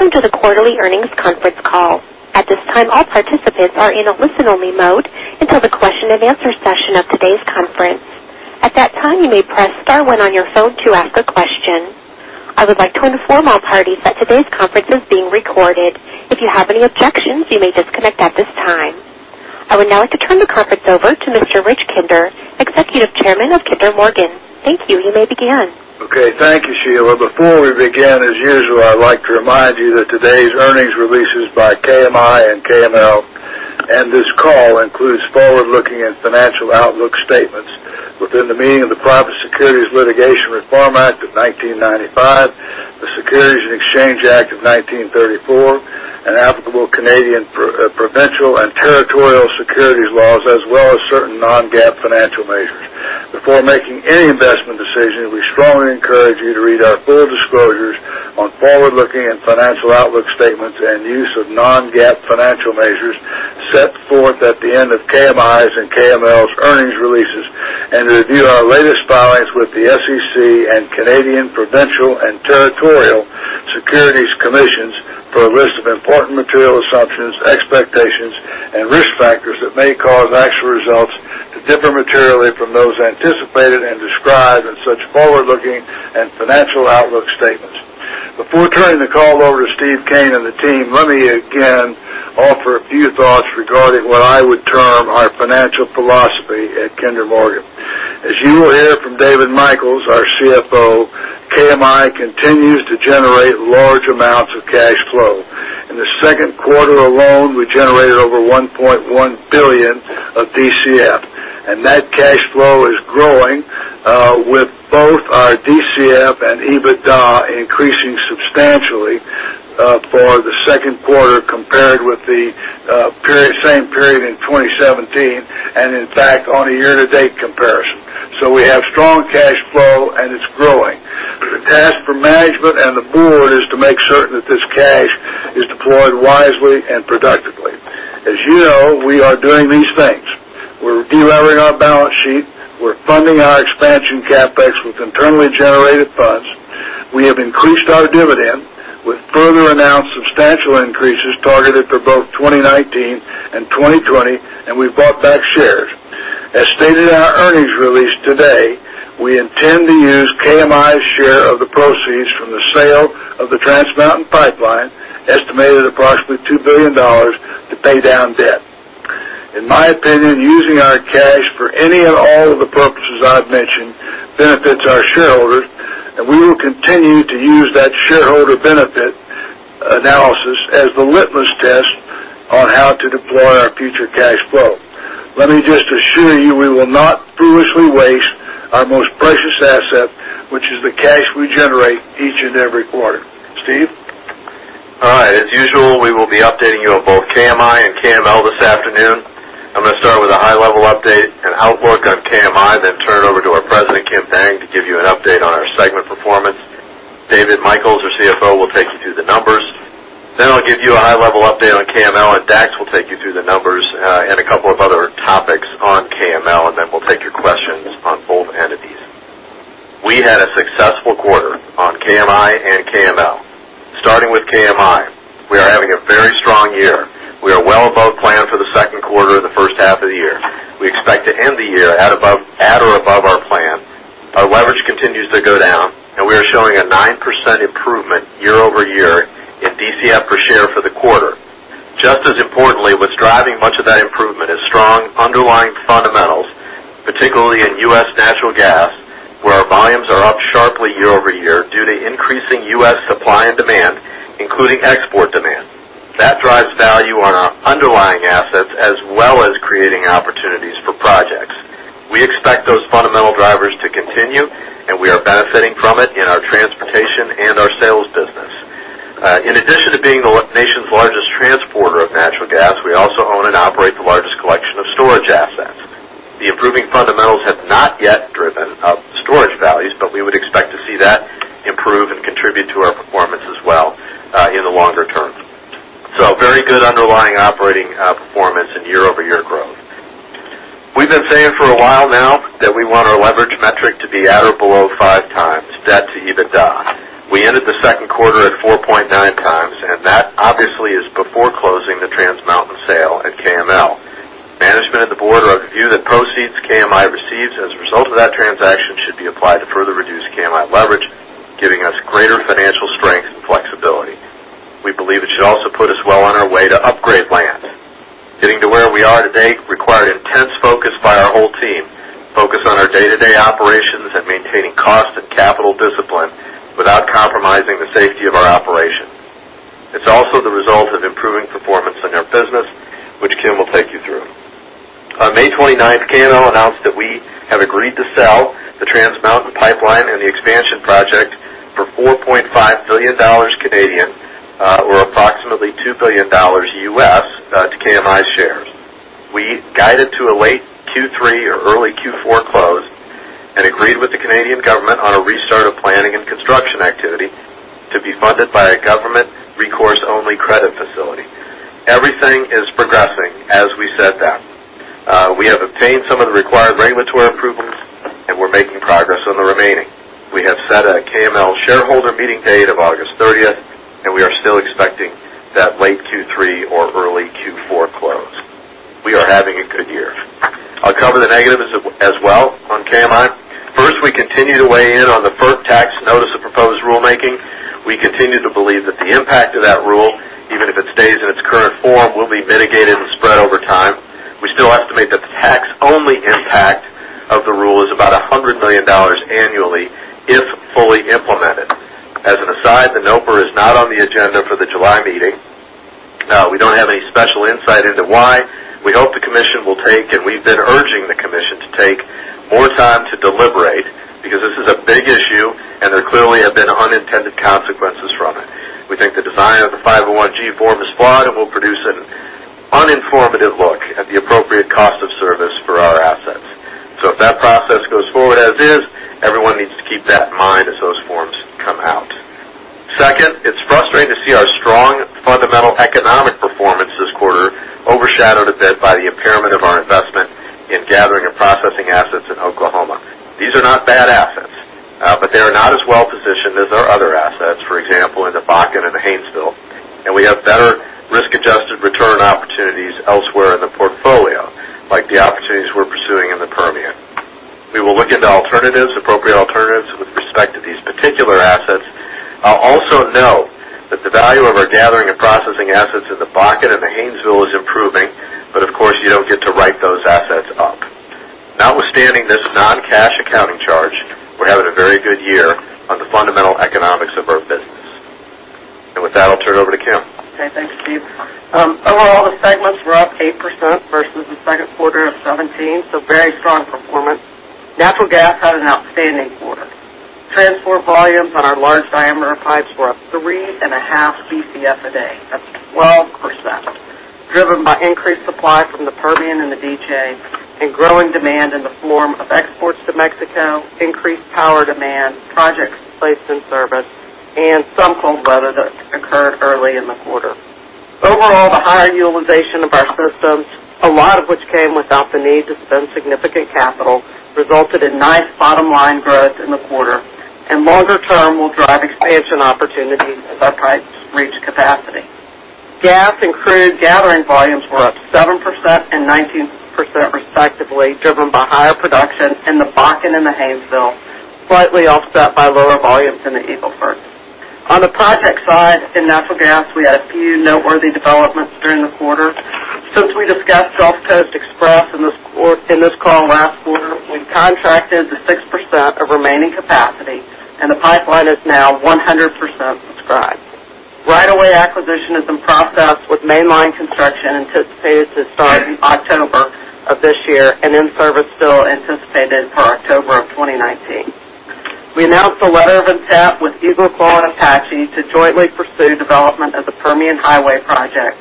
Welcome to the quarterly earnings conference call. At this time, all participants are in a listen-only mode until the question-and-answer session of today's conference. At that time, you may press star one on your phone to ask a question. I would like to inform all parties that today's conference is being recorded. If you have any objections, you may disconnect at this time. I would now like to turn the conference over to Mr. Rich Kinder, Executive Chairman of Kinder Morgan. Thank you. You may begin. Okay. Thank you, Sheila. Before we begin, as usual, I'd like to remind you that today's earnings releases by KMI and KML and this call includes forward-looking and financial outlook statements within the meaning of the Private Securities Litigation Reform Act of 1995, the Securities Exchange Act of 1934, and applicable Canadian provincial and territorial securities laws, as well as certain non-GAAP financial measures. Before making any investment decisions, we strongly encourage you to read our full disclosures on forward-looking and financial outlook statements and use of non-GAAP financial measures set forth at the end of KMI's and KML's earnings releases and review our latest filings with the SEC and Canadian provincial and territorial securities commissions for a list of important material assumptions, expectations, and risk factors that may cause actual results to differ materially from those anticipated and described in such forward-looking and financial outlook statements. Before turning the call over to Steve Kean and the team, let me again offer a few thoughts regarding what I would term our financial philosophy at Kinder Morgan. As you will hear from David Michels, our CFO, KMI continues to generate large amounts of cash flow. In the second quarter alone, we generated over $1.1 billion of DCF, and that cash flow is growing, with both our DCF and EBITDA increasing substantially for the second quarter compared with the same period in 2017 and in fact on a year-to-date comparison. We have strong cash flow, and it's growing. The task for management and the board is to make certain that this cash is deployed wisely and productively. As you know, we are doing these things. We're de-levering our balance sheet. We're funding our expansion CapEx with internally generated funds. We have increased our dividend with further announced substantial increases targeted for both 2019 and 2020. We've bought back shares. As stated in our earnings release today, we intend to use KMI's share of the proceeds from the sale of the Trans Mountain pipeline, estimated approximately $2 billion to pay down debt. In my opinion, using our cash for any and all of the purposes I've mentioned benefits our shareholders, and we will continue to use that shareholder benefit analysis as the litmus test on how to deploy our future cash flow. Let me just assure you. We will not foolishly waste our most precious asset, which is the cash we generate each and every quarter. Steve? All right. As usual, we will be updating you on both KMI and KML this afternoon. I'm going to start with a high-level update and outlook on KMI, then turn it over to our President, Kim Dang, to give you an update on our segment performance. David Michels, our CFO, will take you through the numbers. I'll give you a high-level update on KML, and Dax will take you through the numbers and a couple of other topics on KML, and we'll take your questions on both entities. We had a successful quarter on KMI and KML. Starting with KMI, we are having a very strong year. We are well above plan for the second quarter of the first half of the year. We expect to end the year at or above our plan. Our leverage continues to go down, and we are showing a 9% improvement year-over-year in DCF per share for the quarter. Just as importantly, what's driving much of that improvement is strong underlying fundamentals, particularly in U.S. natural gas, where our volumes are up sharply year-over-year due to increasing U.S. supply and demand, including export demand. That drives value on our underlying assets as well as creating opportunities for projects. We expect those fundamental drivers to continue, and we are benefiting from it in our transportation and our sales business. In addition to being the nation's largest transporter of natural gas, we also own and operate the largest collection of storage assets. The improving fundamentals have not yet driven up storage values, but we would expect to see that improve and contribute to our performance as well in the longer term. Very good underlying operating performance and year-over-year growth. We've been saying for a while now that we want our leverage metric to be at or below five times debt to EBITDA. We ended the second quarter at 4.9 times, and that obviously is before closing the Trans Mountain sale at KML. Management and the board are of the view that proceeds KMI receives as a result of that transaction should be applied to further reduce KMI leverage, giving us greater financial strength and flexibility. We believe it should also put us well on our way to upgrade rating. Getting to where we are today required intense focus by our whole team, focus on our day-to-day operations and maintaining cost and capital discipline without compromising the safety of our operations. It's also the result of improving performance in our business, which Kim will take you through. On May 29th, KML announced that we have agreed to sell the Trans Mountain pipeline and the expansion project for 4.5 billion Canadian dollars, or approximately $2 billion, to KMI shares. We guided to a late Q3 or early Q4 close and agreed with the Canadian government on a restart of planning and construction activity to be funded by a government recourse-only credit facility. Everything is progressing as we said that. We have obtained some of the required regulatory approvals. We're making progress on the remaining. We have set a KML shareholder meeting date of August 30th, and we are still expecting that late Q3 or early Q4 close. We are having a good year. I'll cover the negatives as well on KMI. First, we continue to weigh in on the FERC tax notice of proposed rulemaking. We continue to believe that the impact of that rule, even if it stays in its current form, will be mitigated and spread over time. We still estimate that the tax-only impact of the rule is about $100 million annually if fully implemented. As an aside, the NOPR is not on the agenda for the July meeting. We don't have any special insight into why. We hope the commission will take, and we've been urging the commission to take more time to deliberate because this is a big issue and there clearly have been unintended consequences from it. We think the design of the 501 form is flawed and will produce an uninformative look at the appropriate cost of service for our assets. If that process goes forward as is, everyone needs to keep that in mind as those forms come out. Second, it's frustrating to see our strong fundamental economic performance this quarter overshadowed a bit by the impairment of our investment in gathering and processing assets in Oklahoma. These are not bad assets. They are not as well-positioned as our other assets, for example, in the Bakken and the Haynesville, and we have better risk-adjusted return opportunities elsewhere in the portfolio, like the opportunities we're pursuing in the Permian. We will look into alternatives, appropriate alternatives with respect to these particular assets. I'll also note that the value of our gathering and processing assets in the Bakken and the Haynesville is improving, but of course, you don't get to write those assets up. Notwithstanding this non-cash accounting charge, we're having a very good year on the fundamental economics of our business. With that, I'll turn it over to Kim. Okay, thanks, Steve. Overall, the segments were up 8% versus the second quarter of 2017, very strong performance. Natural gas had an outstanding quarter. Transport volumes on our large-diameter pipes were up 3.5 Bcf a day. That's 12%, driven by increased supply from the Permian and the DJ and growing demand in the form of exports to Mexico, increased power demand, projects placed in service, and some cold weather that occurred early in the quarter. Overall, the higher utilization of our systems, a lot of which came without the need to spend significant capital, resulted in nice bottom-line growth in the quarter and longer term will drive expansion opportunities as our pipes reach capacity. Gas and crude gathering volumes were up 7% and 19% respectively, driven by higher production in the Bakken and the Haynesville, slightly offset by lower volumes in the Eagle Ford. On the project side in natural gas, we had a few noteworthy developments during the quarter. Since we discussed Gulf Coast Express in this call last quarter, we've contracted the 6% of remaining capacity, and the pipeline is now 100% subscribed. Right of way acquisition is in process with mainline construction anticipated to start in October of this year and in-service fill anticipated for October of 2019. We announced a letter of intent with EagleClaw and Apache to jointly pursue development of the Permian Highway project,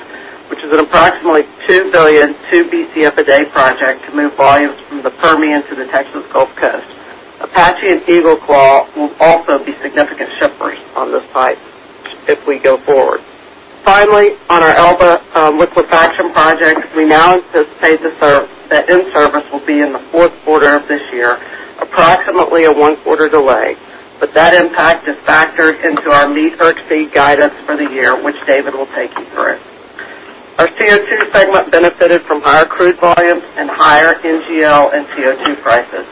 which is an approximately 2 billion, 2 Bcf a day project to move volumes from the Permian to the Texas Gulf Coast. Apache and EagleClaw will also be significant shippers on this pipe if we go forward. Finally, on our Elba Liquefaction Project, we now anticipate the in-service will be in the fourth quarter of this year, approximately a one-quarter delay. That impact is factored into our MEFC guidance for the year, which David will take you through. Our CO2 segment benefited from higher crude volumes and higher NGL and CO2 prices.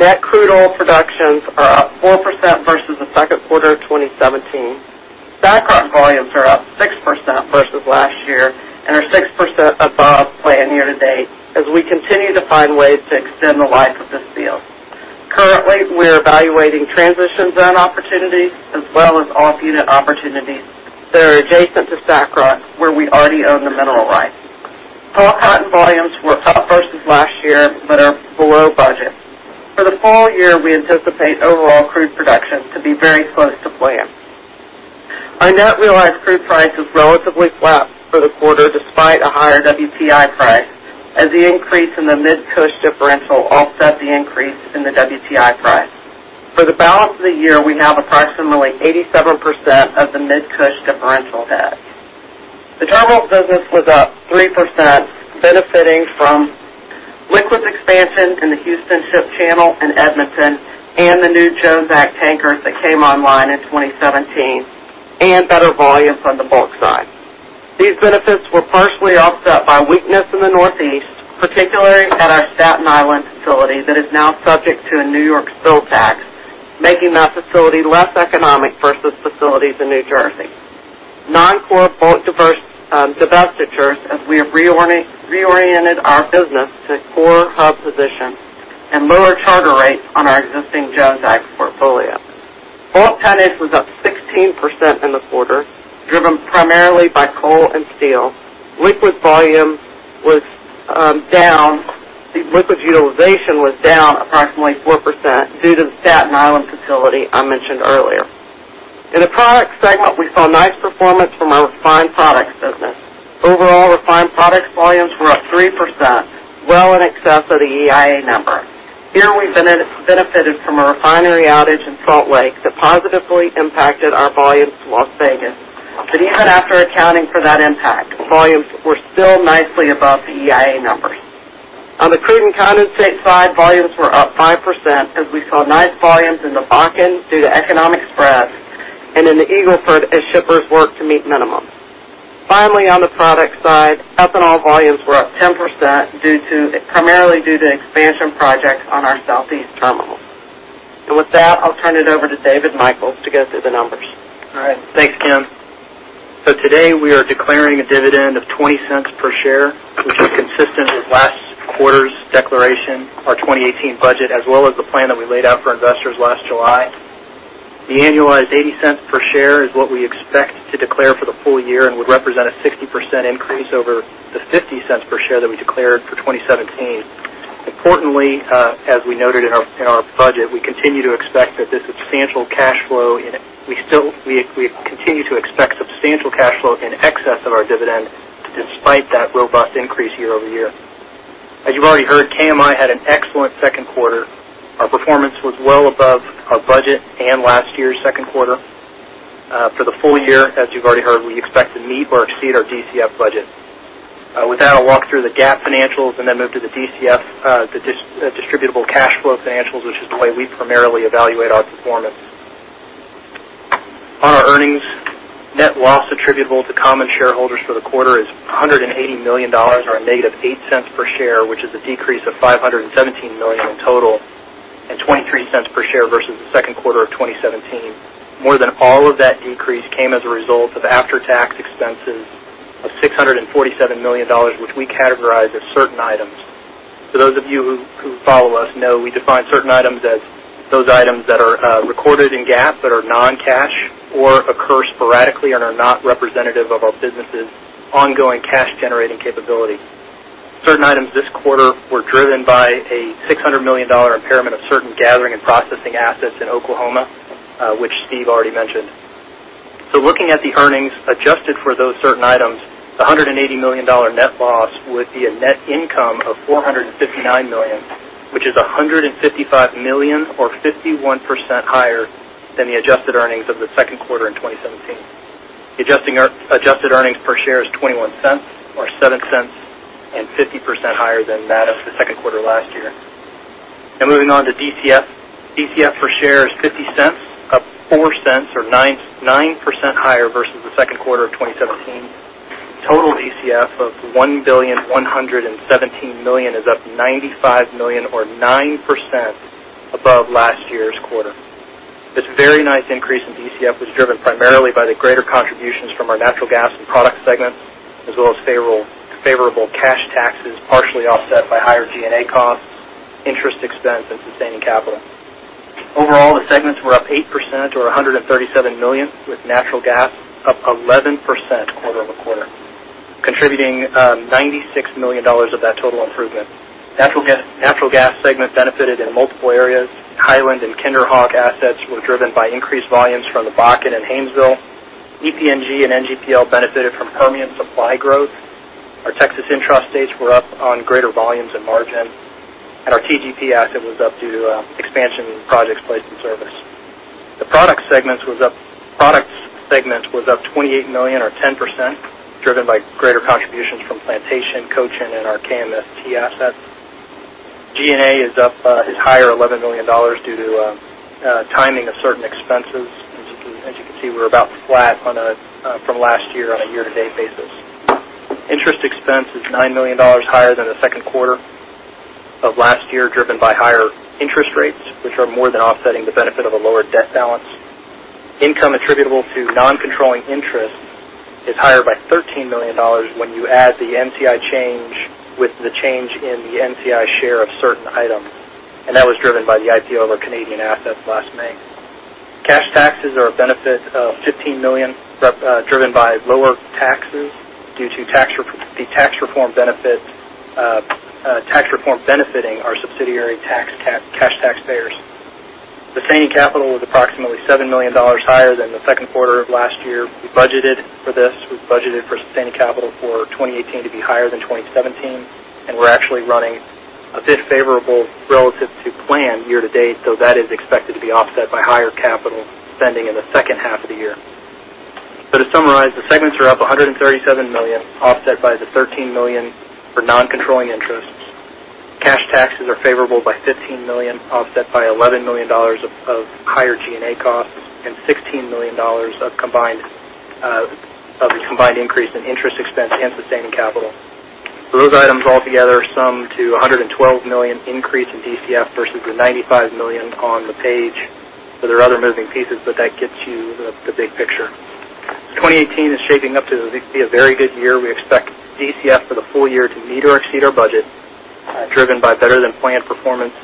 Net crude oil productions are up 4% versus the second quarter of 2017. SACROC volumes are up 6% versus last year and are 6% above plan year to date as we continue to find ways to extend the life of this field. Currently, we are evaluating transition zone opportunities as well as off-unit opportunities that are adjacent to SACROC where we already own the mineral rights. Tall Cotton volumes were up versus last year. Are below budget. For the full year, we anticipate overall crude production to be very close to plan. Our net realized crude price was relatively flat for the quarter despite a higher WTI price, as the increase in the Midland-Cushing differential offset the increase in the WTI price. For the balance of the year, we have approximately 87% of the Midland-Cushing differential hedged. The Terminals business was up 3%, benefiting from liquids expansion in the Houston Ship Channel and Edmonton and the new Jones Act tankers that came online in 2017 and better volume from the bulk side. These benefits were partially offset by weakness in the Northeast, particularly at our Staten Island facility that is now subject to a New York spill tax, making that facility less economic versus facilities in New Jersey. Non-core bulk divestitures, as we have reoriented our business to core hub positions and lower charter rates on our existing Jones Act portfolio. Bulk tonnage was up 16% in the quarter, driven primarily by coal and steel. Liquid utilization was down approximately 4% due to the Staten Island facility I mentioned earlier. In the Products segment, we saw nice performance from our refined products business. Overall refined products volumes were up 3%, well in excess of the EIA number. Here we benefited from a refinery outage in Salt Lake that positively impacted our volumes. Even after accounting for that impact, volumes were still nicely above the EIA numbers. On the crude and condensate side, volumes were up 5% as we saw nice volumes in the Bakken due to economic spreads, and in the Eagle Ford as shippers worked to meet minimums. Finally, on the product side, ethanol volumes were up 10% primarily due to expansion projects on our Southeast Terminals. With that, I'll turn it over to David Michels to go through the numbers. Thanks, Kim. Today, we are declaring a dividend of $0.20 per share, which is consistent with last quarter's declaration, our 2018 budget, as well as the plan that we laid out for investors last July. The annualized $0.80 per share is what we expect to declare for the full year and would represent a 60% increase over the $0.50 per share that we declared for 2017. Importantly, as we noted in our budget, we continue to expect substantial cash flow in excess of our dividend despite that robust increase year-over-year. As you've already heard, KMI had an excellent second quarter. Our performance was well above our budget and last year's second quarter. For the full year, as you've already heard, we expect to meet or exceed our DCF budget. With that, I'll walk through the GAAP financials and then move to the DCF, the distributable cash flow financials, which is the way we primarily evaluate our performance. On our earnings, net loss attributable to common shareholders for the quarter is $180 million or a negative $0.08 per share, which is a decrease of $517 million in total and $0.23 per share versus the second quarter of 2017. More than all of that decrease came as a result of after-tax expenses of $647 million, which we categorize as certain items. Those of you who follow us know we define certain items as those items that are recorded in GAAP that are non-cash or occur sporadically and are not representative of our business's ongoing cash-generating capability. Certain items this quarter were driven by a $600 million impairment of certain gathering and processing assets in Oklahoma, which Steve already mentioned. Looking at the earnings adjusted for those certain items, the $180 million net loss would be a net income of $459 million, which is $155 million or 51% higher than the adjusted earnings of the second quarter in 2017. The adjusted earnings per share is $0.21 or $0.07 and 50% higher than that of the second quarter last year. Moving on to DCF. DCF per share is $0.50, up $0.04 or 9% higher versus the second quarter of 2017. Total DCF of $1,117 million is up $95 million or 9% above last year's quarter. This very nice increase in DCF was driven primarily by the greater contributions from our natural gas and product segments, as well as favorable cash taxes, partially offset by higher G&A costs, interest expense, and sustaining capital. Overall, the segments were up 8% or $137 million, with natural gas up 11% quarter-over-quarter, contributing $96 million of that total improvement. Natural gas segment benefited in multiple areas. Hiland and KinderHawk assets were driven by increased volumes from the Bakken and Haynesville. EPNG and NGPL benefited from Permian supply growth. Our Texas Intrastates were up on greater volumes and margin, and our TGP asset was up due to expansion projects placed in service. The products segment was up $28 million or 10%, driven by greater contributions from Plantation, Cochin, and our KMST assets. G&A is higher $11 million due to timing of certain expenses. As you can see, we're about flat from last year on a year-to-date basis. Interest expense is $9 million higher than the second quarter of last year, driven by higher interest rates, which are more than offsetting the benefit of a lower debt balance. Income attributable to non-controlling interest is higher by $13 million when you add the NCI change with the change in the NCI share of certain items, and that was driven by the IPO of our Canadian assets last May. Cash taxes are a benefit of $15 million, driven by lower taxes due to the tax reform benefiting our subsidiary cash taxpayers. Sustaining capital was approximately $7 million higher than the second quarter of last year. We budgeted for this. We budgeted for sustaining capital for 2018 to be higher than 2017, and we're actually running a bit favorable relative to plan year-to-date, though that is expected to be offset by higher capital spending in the second half of the year. To summarize, the segments are up $137 million, offset by the $13 million for non-controlling interests. Cash taxes are favorable by $15 million, offset by $11 million of higher G&A costs and $16 million of the combined increase in interest expense and sustaining capital. Those items altogether sum to $112 million increase in DCF versus the $95 million on the page. There are other moving pieces, but that gets you the big picture. 2018 is shaping up to be a very good year. We expect DCF for the full year to meet or exceed our budget, driven by better-than-planned performance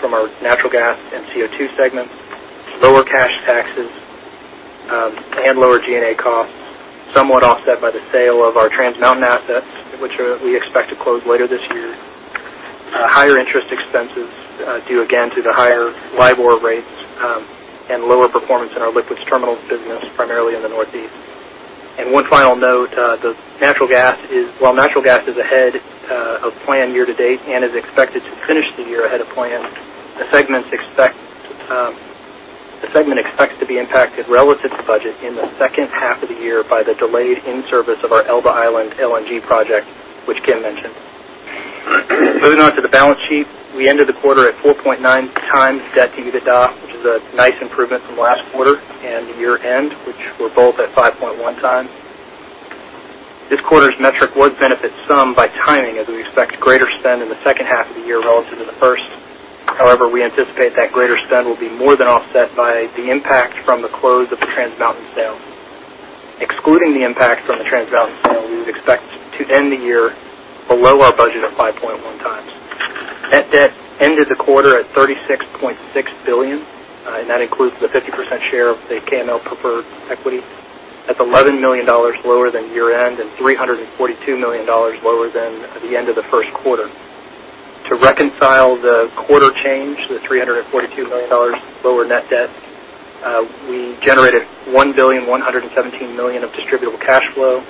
from our natural gas and CO2 segments, lower cash taxes, and lower G&A costs, somewhat offset by the sale of our Trans Mountain assets, which we expect to close later this year. Higher interest expenses due again to the higher LIBOR rates and lower performance in our liquids terminals business, primarily in the Northeast. One final note, while natural gas is ahead of plan year-to-date and is expected to finish the year ahead of plan, The segment expects to be impacted relative to budget in the second half of the year by the delayed in-service of our Elba Island LNG project, which Kim mentioned. Moving on to the balance sheet. We ended the quarter at 4.9 times debt to EBITDA, which is a nice improvement from last quarter and year-end, which were both at 5.1 times. This quarter's metric would benefit some by timing, as we expect greater spend in the second half of the year relative to the first. However, we anticipate that greater spend will be more than offset by the impact from the close of the Trans Mountain sale. Excluding the impact from the Trans Mountain sale, we would expect to end the year below our budget of 5.1 times. Net debt ended the quarter at $36.6 billion, and that includes the 50% share of the KML preferred equity. That's $11 million lower than year-end and $342 million lower than the end of the first quarter. To reconcile the quarter change, the $342 million lower net debt, we generated $1,117 million of distributable cash flow.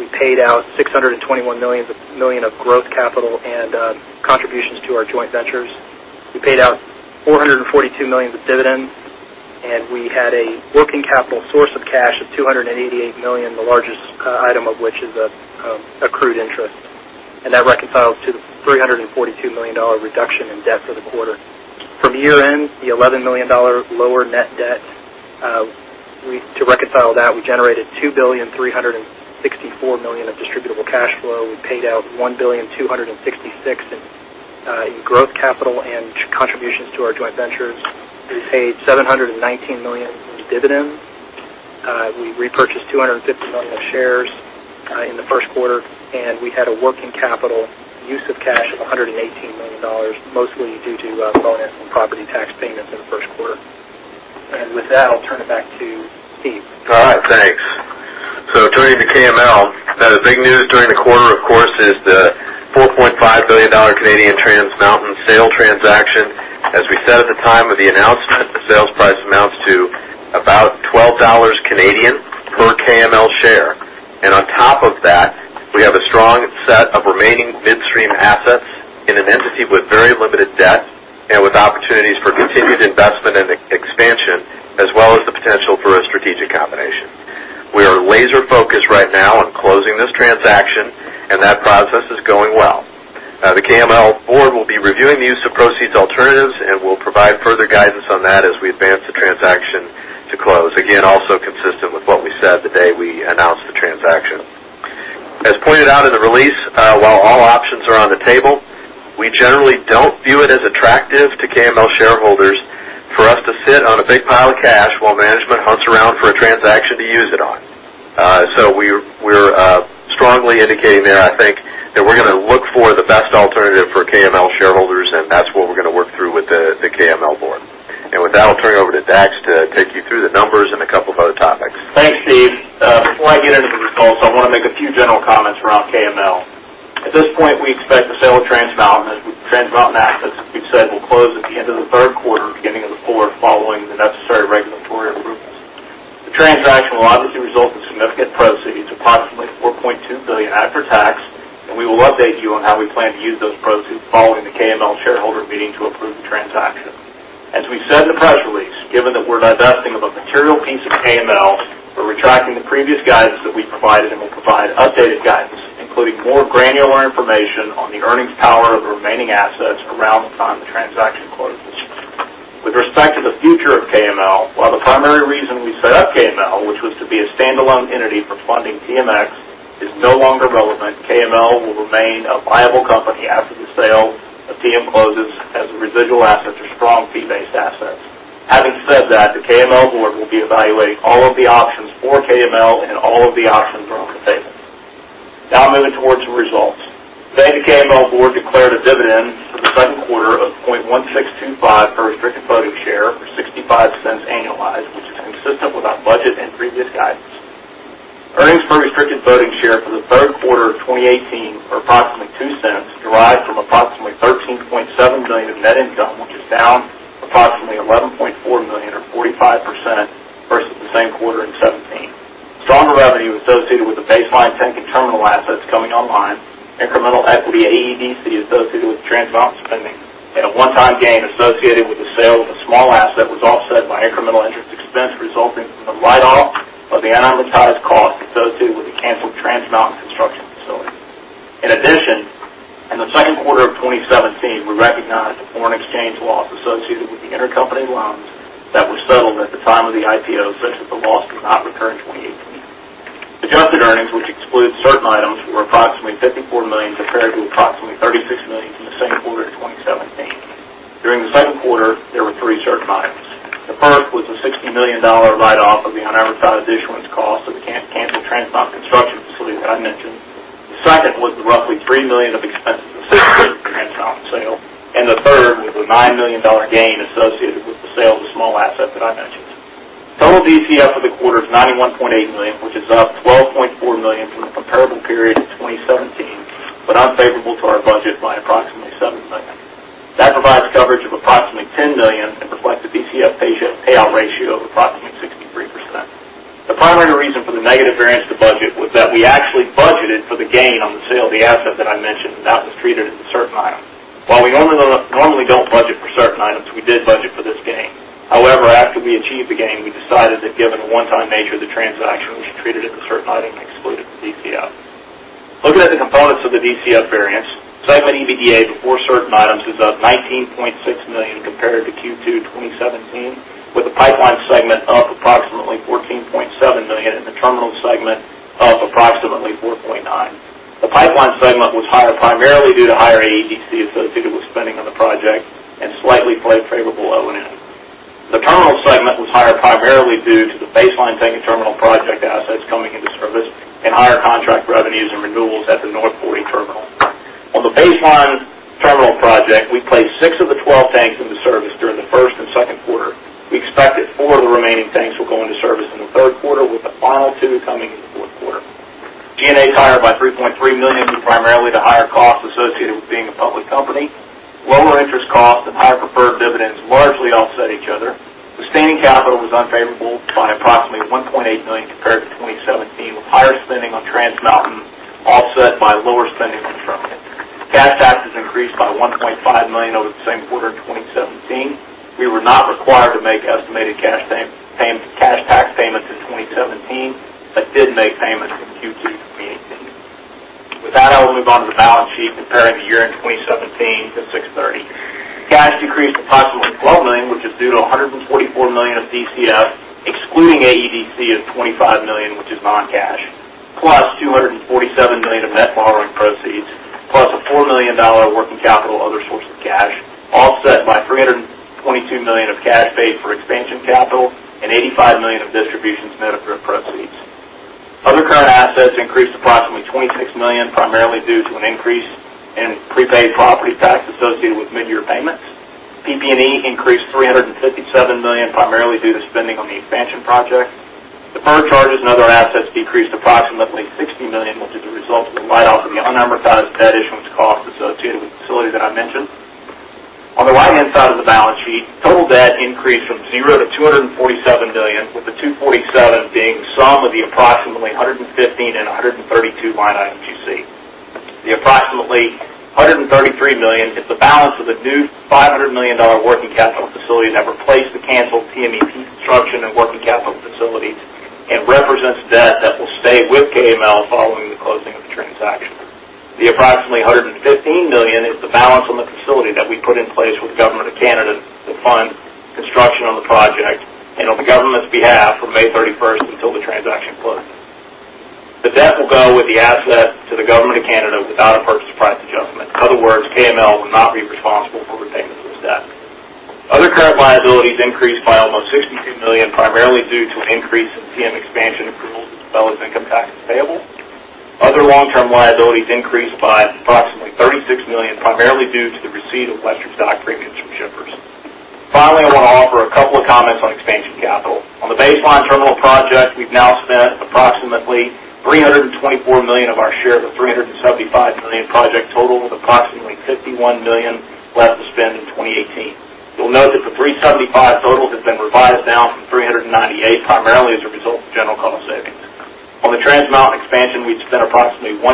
We paid out $621 million of growth capital and contributions to our joint ventures. We paid out $442 million of dividends. We had a working capital source of cash of $288 million, the largest item of which is accrued interest. That reconciles to the $342 million reduction in debt for the quarter. From year-end, the $11 million lower net debt, to reconcile that, we generated $2.364 billion of distributable cash flow. We paid out $1.266 billion in growth capital and contributions to our joint ventures. We paid $719 million in dividends. We repurchased $250 million of shares in the first quarter. We had a working capital use of cash of $118 million, mostly due to bonus and property tax payments in the first quarter. With that, I'll turn it back to Steve. All right. Thanks. Turning to KML. The big news during the quarter, of course, is the 4.5 billion Canadian dollars Trans Mountain sale transaction. As we said at the time of the announcement, the sales price amounts to about 12 Canadian dollars per KML share. On top of that, we have a strong set of remaining midstream assets in an entity with very limited debt and with opportunities for continued investment and expansion, as well as the potential for a strategic combination. We are laser-focused right now on closing this transaction. That process is going well. The KML board will be reviewing the use of proceeds alternatives, and we'll provide further guidance on that as we advance the transaction to close. Also consistent with what we said the day we announced the transaction. As pointed out in the release, while all options are on the table, we generally don't view it as attractive to KML shareholders for us to sit on a big pile of cash while management hunts around for a transaction to use it on. We're strongly indicating there, I think, that we're going to look for the best alternative for KML shareholders. That's what we're going to work through with the KML board. With that, I'll turn it over to Dax to take you through the numbers and a couple of other topics. Thanks, Steve. Before I get into the results, I want to make a few general comments around KML. At this point, we expect the sale of Trans Mountain assets, as we've said, will close at the end of the third quarter, beginning of the fourth, following the necessary regulatory approvals. The transaction will obviously result in significant proceeds, approximately $4.2 billion after tax. We will update you on how we plan to use those proceeds following the KML shareholder meeting to approve the transaction. We said in the press release, given that we're divesting of a material piece of KML, we're retracting the previous guidance that we provided and will provide updated guidance, including more granular information on the earnings power of the remaining assets around the time the transaction closes. With respect to the future of KML, while the primary reason we set up KML, which was to be a standalone entity for funding TMX, is no longer relevant, KML will remain a viable company after the sale of TM closes, as the residual assets are strong fee-based assets. Having said that, the KML board will be evaluating all of the options for KML and all of the options are on the table. Moving towards the results. Today, the KML board declared a dividend for the second quarter of $0.1625 per restricted voting share, or $0.65 annualized, which is consistent with our budget and previous guidance. Earnings per restricted voting share for the second quarter of 2018 are approximately $0.02, derived from approximately $13.7 million of net income, which is down approximately $11.4 million, or 45%, versus the same quarter in 2017. Stronger revenue associated with the baseline tank and terminal assets coming online, incremental equity, AFUDC, associated with Trans Mountain spending, and a one-time gain associated with the sale of a small asset was offset by incremental interest expense resulting from the write-off of the unamortized cost associated with the canceled Trans Mountain construction facility. In addition, in the second quarter of 2017, we recognized a foreign exchange loss associated with the intercompany loans that were settled at the time of the IPO, such that the loss did not recur in 2018. Adjusted earnings, which exclude certain items, were approximately $54 million compared to approximately $36 million from the same quarter in 2017. During the second quarter, there were three certain items. The first was a $60 million write-off of the unamortized issuance cost of the canceled Trans Mountain construction facility that I mentioned. The second was the roughly $3 million of expenses associated with the Trans Mountain sale, and the third was a $9 million gain associated with the sale of the small asset that I mentioned. Total DCF for the quarter is $91.8 million, which is up $12.4 million from the comparable period in 2017, but unfavorable to our budget by approximately $7 million. That provides coverage of approximately $10 million and reflects a DCF payout ratio of approximately. The negative variance to budget was that we actually budgeted for the gain on the sale of the asset that I mentioned, and that was treated as a certain item. While we normally don't budget for certain items, we did budget for this gain. However, after we achieved the gain, we decided that given the one-time nature of the transaction, we should treat it as a certain item and exclude it from DCF. Looking at the components of the DCF variance, segment EBITDA before certain items is up $19.6 million compared to Q2 2017, with the pipeline segment up approximately $14.7 million and the terminal segment up approximately $4.9 million. The pipeline segment was higher primarily due to higher AFUDC associated with spending on the project and slightly favorable O&M. The terminal segment was higher primarily due to the Base Line Tank and Terminal project assets coming into service and higher contract revenues and renewals at the North Forty Terminal. On the Baseline Terminal project, we placed six of the 12 tanks into service during the first and second quarter. We expect that four of the remaining tanks will go into service in the third quarter, with the final two coming in the fourth quarter. G&A is higher by $3.3 million, due primarily to higher costs associated with being a public company. Lower interest costs and higher preferred dividends largely offset each other. Sustaining capital was unfavorable by approximately $1.8 million compared to 2017, with higher spending on Trans Mountain offset by lower spending on. [inaudible] Cash taxes increased by $1.5 million over the same quarter in 2017. We were not required to make estimated cash tax payments in 2017 but did make payments in Q2 2018. With that, I will move on to the balance sheet comparing the year-end 2017 to 6/30. Cash increased approximately $12 million, which is due to $144 million of DCF, excluding AFUDC of $25 million, which is non-cash, plus $247 million of net borrowing proceeds, plus a $4 million working capital other source of cash, offset by $322 million of cash paid for expansion capital and $85 million of distributions net of proceeds. Other current assets increased approximately $26 million, primarily due to an increase in prepaid property tax associated with mid-year payments. PP&E increased $357 million, primarily due to spending on the expansion project. Deferred charges and other assets decreased approximately $60 million, which is a result of the write-off of the unamortized debt issuance cost associated with the facility that I mentioned. On the right-hand side of the balance sheet, total debt increased from zero to $247 million, with the $247 being the sum of the approximately $115 and $132 line items you see. The approximately $133 million is the balance of the new $500 million working capital facility that replaced the canceled TMEP construction and working capital facilities and represents debt that will stay with KML following the closing of the transaction. The approximately $115 million is the balance on the facility that we put in place with the government of Canada to fund construction on the project and on the government's behalf from May 31st until the transaction closed. The debt will go with the asset to the government of Canada without a purchase price adjustment. In other words, KML will not be responsible for repayment of this debt. Other current liabilities increased by almost $62 million, primarily due to an increase in TM expansion approvals as well as income taxes payable. Other long-term liabilities increased by approximately $36 million, primarily due to the receipt of Westridge dock premiums from shippers. Finally, I want to offer a couple of comments on expansion capital. On the Base Line Terminal project, we've now spent approximately $324 million of our share of the $375 million project total, with approximately $51 million left to spend in 2018. You'll note that the $375 total has been revised down from $398, primarily as a result of general cost savings. On the Trans Mountain expansion, we've spent approximately $1.25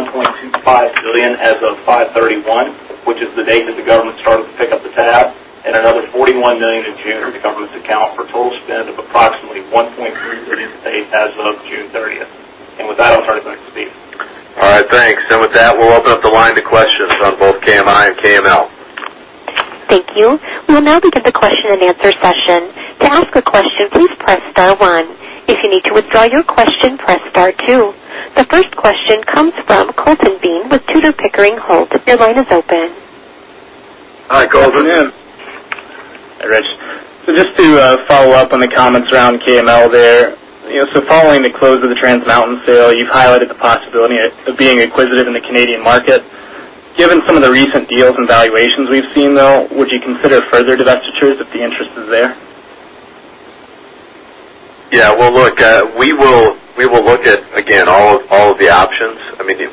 billion as of 5/31, which is the date that the government started to pick up the tab, and another $41 million in June at the government's account for total spend of approximately $1.3 billion to date as of June 30th. With that, I'll turn it back to Steve. All right, thanks. With that, we'll open up the line to questions on both KMI and KML. Thank you. We will now begin the question and answer session. To ask a question, please press star one. If you need to withdraw your question, press star two. The first question comes from Colton Bean with Tudor, Pickering, Holt & Co. Your line is open. Hi, Colton. Yeah. Hi, Rich. Just to follow up on the comments around KML there. Following the close of the Trans Mountain sale, you've highlighted the possibility of being acquisitive in the Canadian market. Given some of the recent deals and valuations we've seen, though, would you consider further divestitures if the interest is there? Look, we will look at, again, all of the options.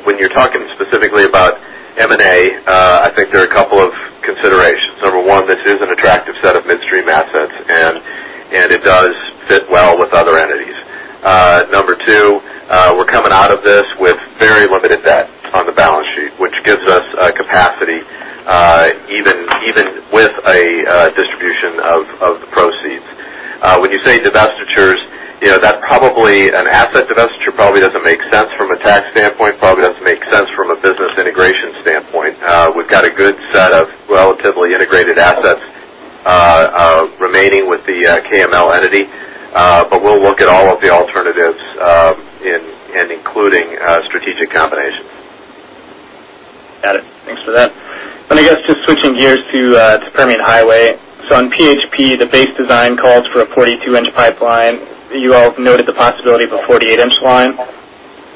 When you're talking specifically about M&A, I think there are a couple of considerations. Number one, this is an attractive set of midstream assets, and it does fit well with other entities. Number two, we're coming out of this with very limited debt on the balance sheet, which gives us capacity, even with a distribution of the proceeds. When you say divestitures, an asset divestiture probably doesn't make sense from a tax standpoint, probably doesn't make sense from a business integration standpoint. We've got a good set of relatively integrated assets remaining with the KML entity, but we'll look at all of the alternatives and including strategic combinations. Got it. Thanks for that. I guess just switching gears to Permian Highway. On PHP, the base design calls for a 42-inch pipeline. You all noted the possibility of a 48-inch line.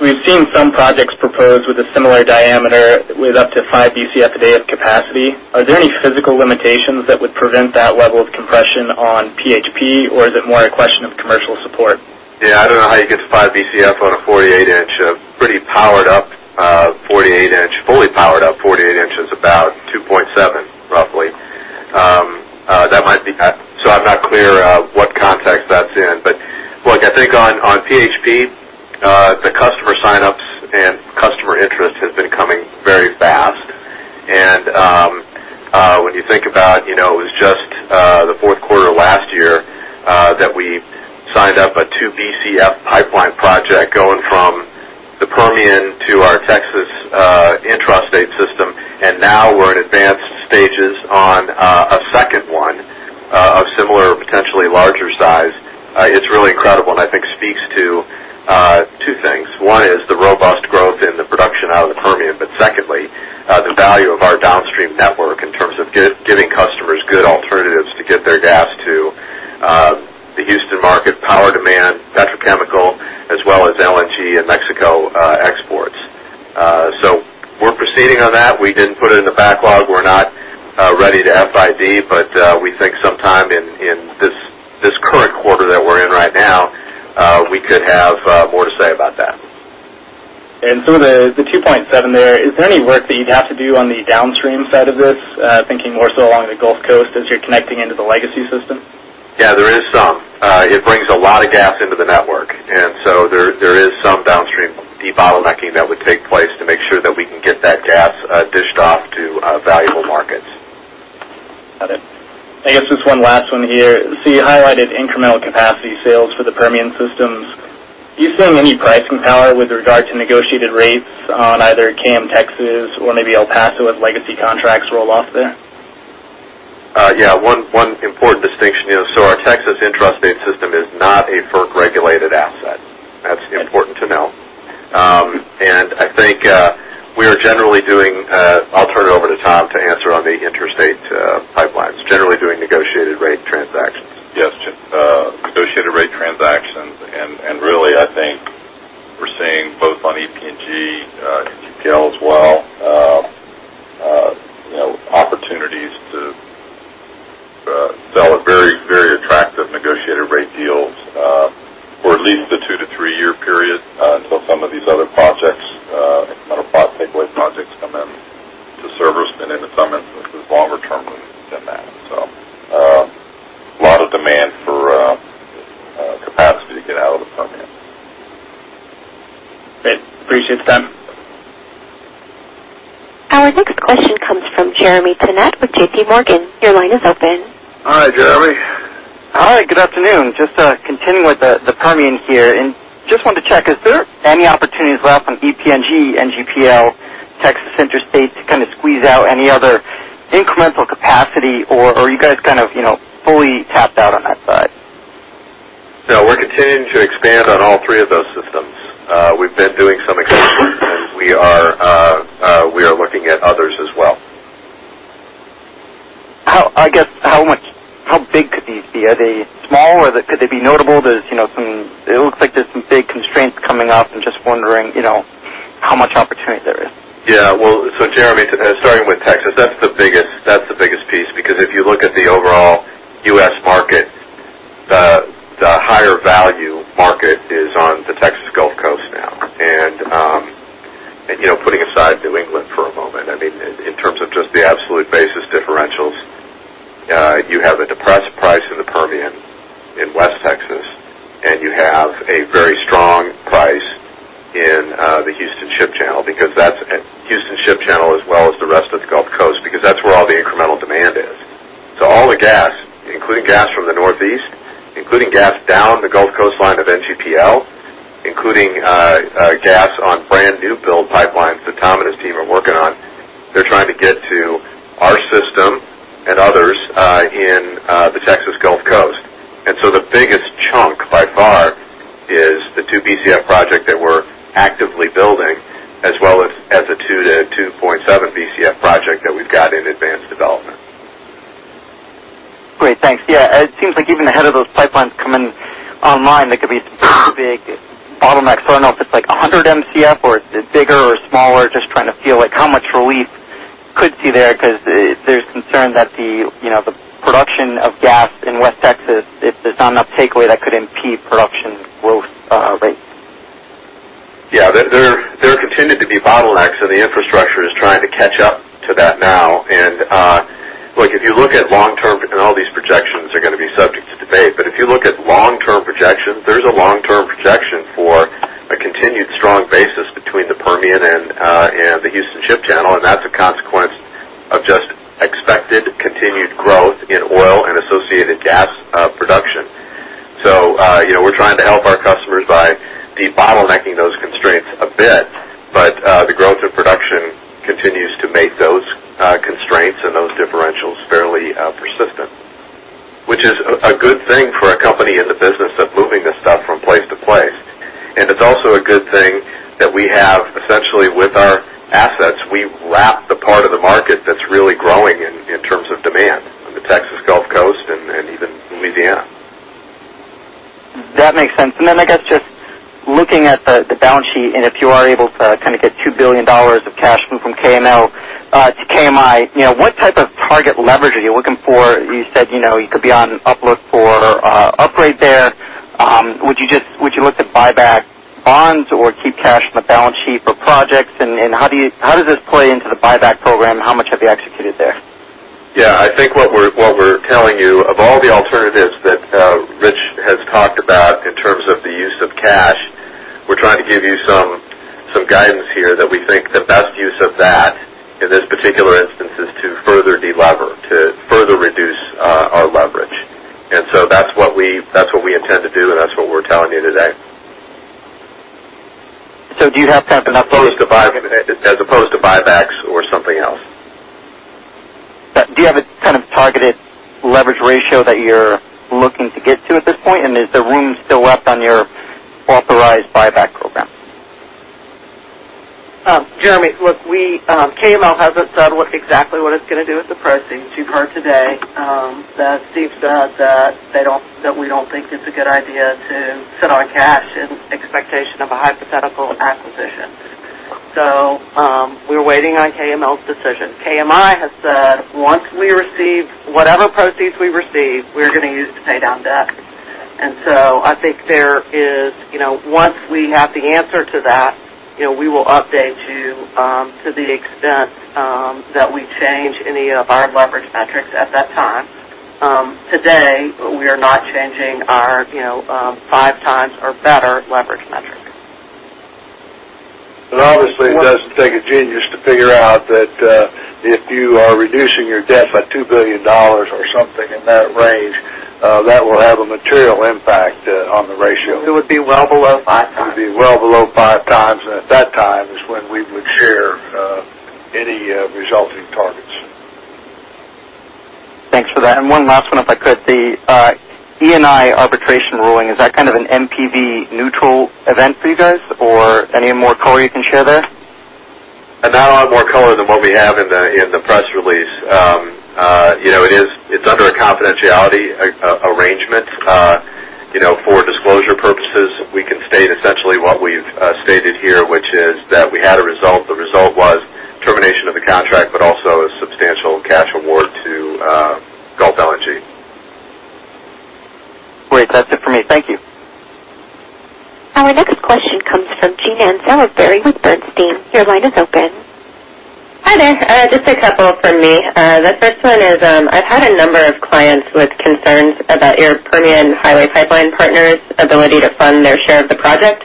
We've seen some projects proposed with a similar diameter with up to five Bcf a day of capacity. Are there any physical limitations that would prevent that level of compression on PHP, or is it more a question of commercial support? I don't know how you get to five Bcf on a 48-inch. Fully powered up 48-inch. That might be. I'm not clear what context that's in. Look, I think on PHP, the customer sign-ups and customer interest has been coming very fast. When you think about it was just the fourth quarter of last year that we signed up a two Bcf pipeline project going from the Permian to our Texas intrastate system, and now we're in advanced stages on a second one of similar or potentially larger size. It's really incredible and I think speaks to two things. One is the robust growth in the production out of the Permian, but secondly, the value of our downstream network in terms of giving customers good alternatives to get their gas to the Houston market, power demand, petrochemical, as well as LNG and Mexico exports. We're proceeding on that. We didn't put it in the backlog. We're not ready to FID, we think sometime in this current quarter that we're in right now, we could have more to say about that. Some of the 2.7 there, is there any work that you'd have to do on the downstream side of this, thinking more so along the Gulf Coast as you're connecting into the legacy system? Yeah, there is some. It brings a lot of gas into the network, there is some downstream debottlenecking that would take place to make sure that we can get that gas dished off to valuable markets. Got it. I guess just one last one here. You highlighted incremental capacity sales for the Permian systems. Do you see any pricing power with regard to negotiated rates on either KM Texas or maybe El Paso as legacy contracts roll off there? Yeah. One important distinction is, our Texas Intrastate System is not a FERC-regulated asset. That's important to know. I'll turn it over to Tom to answer on the interstate pipelines. Generally doing negotiated rate transactions. Yes. Negotiated rate transactions, really, I think we're seeing both on EPNG, NGPL as well, opportunities to sell at very attractive negotiated rate deals for at least a two to three-year period until some of these other projects, incremental takeaway projects, come into service. Then some longer term than that. A lot of demand for capacity to get out of the Permian. Great. Appreciate the time. Our next question comes from Jeremy Tonet with J.P. Morgan. Your line is open. Hi, Jeremy. Hi, good afternoon. Just continuing with the Permian here, just wanted to check, is there any opportunities left on EPNG, NGPL, Texas Intrastate to kind of squeeze out any other incremental capacity, or are you guys kind of fully tapped out on that side? No, we're continuing to expand on all three of those systems. We've been doing some expansion, we are looking at others as well. I guess, how big could these be? Are they small, could they be notable? It looks like there's some big constraints coming up. I'm just wondering how much opportunity there is. Yeah. Jeremy, starting with Texas, that's the biggest piece because if you look at the overall U.S. market, the higher value market is on the Texas Gulf Coast now. Putting aside New England for a moment, in terms of just the absolute basis differentials, you have a depressed price in the Permian in West Texas, and you have a very strong price in the Houston Ship Channel, Houston Ship Channel as well as the rest of the Gulf Coast because that's where all the incremental demand is. All the gas, including gas from the Northeast, including gas down the Gulf Coast line of NGPL, including gas on brand new build pipelines that Tom and his team are working on, they're trying to get to our system and others in the Texas Gulf Coast. The biggest chunk by far is the 2 Bcf project that we're actively building, as well as the 2 to 2.7 Bcf project that we've got in advanced development. Great, thanks. Yeah, it seems like even ahead of those pipelines coming online, there could be some big bottlenecks. I don't know if it's 100 Mcf or it's bigger or smaller. Just trying to feel how much relief could be there because there's concern that the production of gas in West Texas, if there's not enough takeaway, that could impede production growth rates. Yeah. There continue to be bottlenecks, the infrastructure is trying to catch up to that now. Look, if you look at long-term, and all these projections are going to be subject to debate, if you look at long-term projections, there's a long-term projection for a continued strong basis between the Permian and the Houston Ship Channel, that's a consequence of just expected continued growth in oil and associated gas production. We're trying to help our customers by debottlenecking those constraints a bit, the growth of production continues to make those constraints and those differentials fairly persistent, which is a good thing for a company in the business of moving this stuff from place to place. It's also a good thing that we have essentially with our assets, we wrap the part of the market that's really growing in terms of demand on the Texas Gulf Coast and even Louisiana. That makes sense. I guess just looking at the balance sheet, if you are able to kind of get $2 billion of cash in from KML to KMI, what type of target leverage are you looking for? You said you could be on the outlook for an upgrade there. Would you buy back bonds or keep cash on the balance sheet for projects. How much have you executed there? Yeah, I think what we're telling you, of all the alternatives that Rich has talked about in terms of the use of cash, we're trying to give you some guidance here that we think the best use of that, in this particular instance, is to further delever, to further reduce our leverage. That's what we intend to do, that's what we're telling you today. Do you have kind of enough- As opposed to buybacks or something else. Do you have a kind of targeted leverage ratio that you're looking to get to at this point, and is there room still left on your authorized buyback program? Jeremy, look, KML hasn't said what exactly what it's going to do with the proceeds. You've heard today. That Steve said that we don't think it's a good idea to sit on cash in expectation of a hypothetical acquisition. We're waiting on KML's decision. KMI has said, once we receive whatever proceeds we receive, we're going to use to pay down debt. I think there is, once we have the answer to that, we will update you, to the extent that we change any of our leverage metrics at that time. Today, we are not changing our five times or better leverage metric. Obviously it doesn't take a genius to figure out that if you are reducing your debt by $2 billion or something in that range, that will have a material impact on the ratio. It would be well below five times. It would be well below five times, and at that time is when we would share any resulting targets. Thanks for that. One last one, if I could, the Eni arbitration ruling, is that kind of an NPV neutral event for you guys? Any more color you can share there? I don't have more color than what we have in the press release. It's under a confidentiality arrangement. For disclosure purposes, we can state essentially what we've stated here, which is that we had a result. The result was termination of the contract, but also a substantial cash award to Gulf LNG. Great. That's it for me. Thank you. Our next question comes from Jean Ann Salisbury with Bernstein. Your line is open. Hi there. Just a couple from me. The first one is, I've had a number of clients with concerns about your Permian Highway Pipeline Partners' ability to fund their share of the project.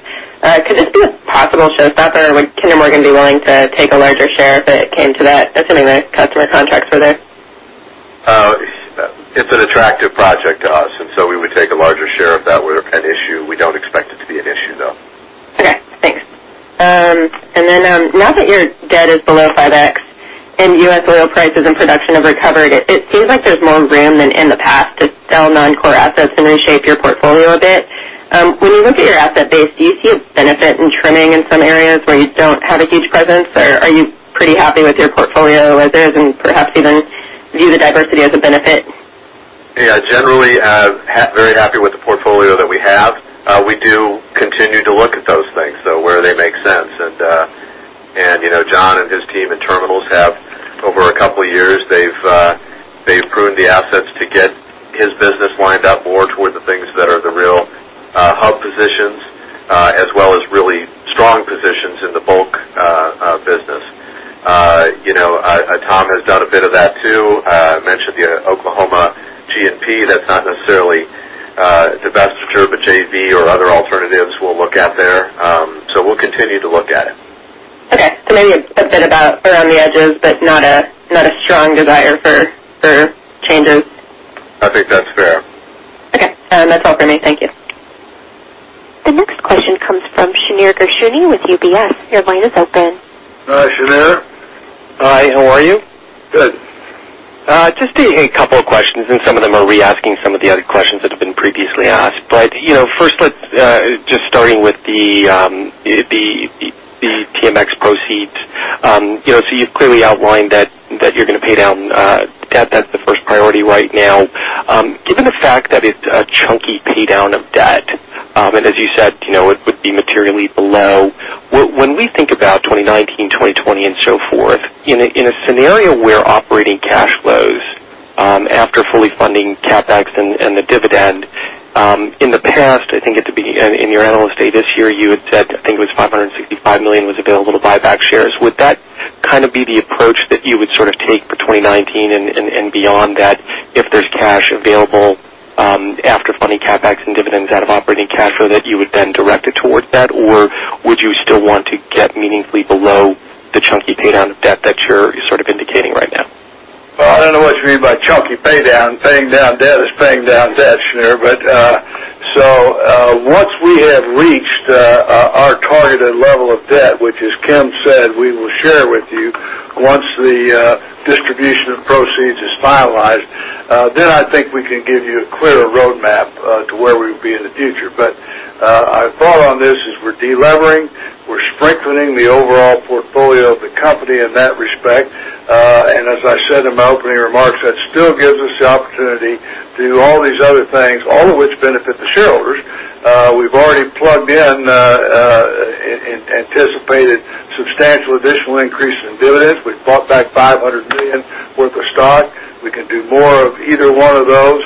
Could this be a possible showstopper? Would Kinder Morgan be willing to take a larger share if it came to that, assuming the customer contracts were there? It's an attractive project to us. We would take a larger share if that were an issue. We don't expect it to be an issue, though. Okay, thanks. Now that your debt is below 5x and U.S. oil prices and production have recovered, it seems like there's more room than in the past to sell non-core assets and then shape your portfolio a bit. When you look at your asset base, do you see a benefit in trimming in some areas where you don't have a huge presence, or are you pretty happy with your portfolio as is and perhaps even view the diversity as a benefit? Yeah, generally, very happy with the portfolio that we have. We do continue to look at those things, though, where they make sense. John and his team in Terminals have over a couple of years, they've pruned the assets to get his business lined up more toward the things that are the real hub positions, as well as really strong positions in the bulk business. Tom has done a bit of that, too. Mentioned the Oklahoma G&P. That's not necessarily a divestiture, but JV or other alternatives we'll look at there. We'll continue to look at it. Okay. Maybe a bit about around the edges, but not a strong desire for changes. I think that's fair. Okay. That's all for me. Thank you. The next question comes from Shneur Gershuni with UBS. Your line is open. Hi, Shneur. Hi, how are you? Good. Just a couple of questions, some of them are reasking some of the other questions that have been previously asked. First, just starting with the TMX proceeds. You've clearly outlined that you're going to pay down debt. That's the first priority right now. Given the fact that it's a chunky pay down of debt, and as you said, it would be materially below. When we think about 2019, 2020, and so forth, in a scenario where operating cash flows after fully funding CapEx and the dividend, in the past, I think in your analyst day this year, you had said, I think it was $565 million was available to buy back shares. Would that kind of be the approach that you would sort of take for 2019 and beyond that if there's cash available after funding CapEx and dividends out of operating cash flow that you would then direct it towards that? Would you still want to get meaningfully below the chunky pay down of debt that you're sort of indicating right now? Well, I don't know what you mean by chunky pay down. Paying down debt is paying down debt, Shneur. Once we have reached our targeted level of debt, which as Kim said, we will share with you once the distribution of proceeds is finalized, then I think we can give you a clearer roadmap to where we would be in the future. Our thought on this is we're delevering, we're strengthening the overall portfolio of the company in that respect. As I said in my opening remarks, that still gives us the opportunity to do all these other things, all of which benefit the shareholders. We've already plugged in anticipated substantial additional increase in dividends. We've bought back $500 million Of either one of those.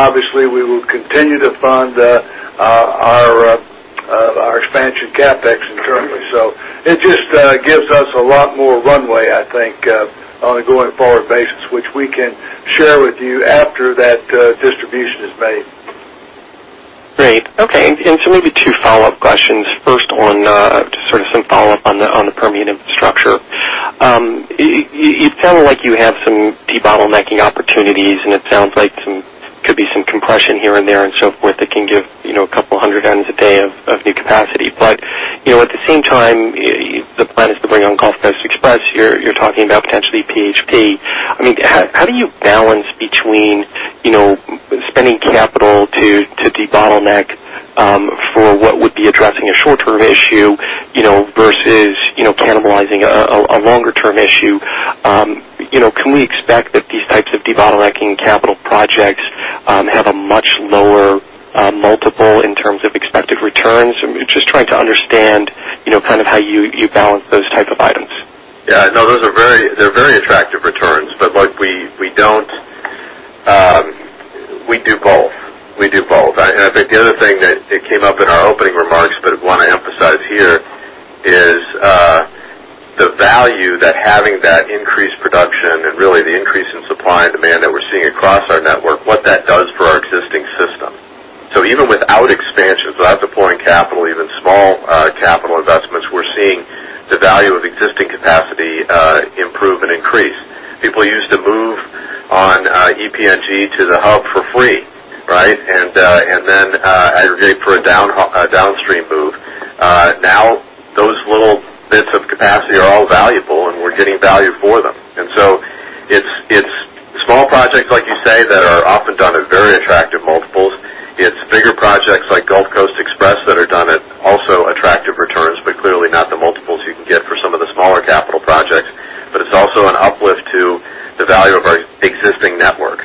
Obviously, we will continue to fund our expansion CapEx internally. It just gives us a lot more runway, I think, on a going forward basis, which we can share with you after that distribution is made. Great. Okay. Maybe two follow-up questions. First, on some follow-up on the Permian infrastructure. You sound like you have some debottlenecking opportunities, and it sounds like could be some compression here and there and so forth that can give a couple hundred tons a day of new capacity. At the same time, the plan is to bring on Gulf Coast Express. You're talking about potentially PHP. How do you balance between spending capital to debottleneck for what would be addressing a short-term issue versus cannibalizing a longer-term issue? Can we expect that these types of debottlenecking capital projects have a much lower multiple in terms of expected returns? I'm just trying to understand how you balance those type of items. No, those are very attractive returns, but we do both. We do both. I think the other thing that came up in our opening remarks, but want to emphasize here is the value that having that increased production and really the increase in supply and demand that we're seeing across our network, what that does for our existing system. Even without expansions, without deploying capital, even small capital investments, we're seeing the value of existing capacity improve and increase. People used to move on EPNG to the hub for free, right? Then aggregate for a downstream move. Now those little bits of capacity are all valuable, and we're getting value for them. It's small projects, like you say, that are often done at very attractive multiples. It's bigger projects like Gulf Coast Express that are done at also attractive returns, but clearly not the multiples you can get for some of the smaller capital projects. It's also an uplift to the value of our existing network.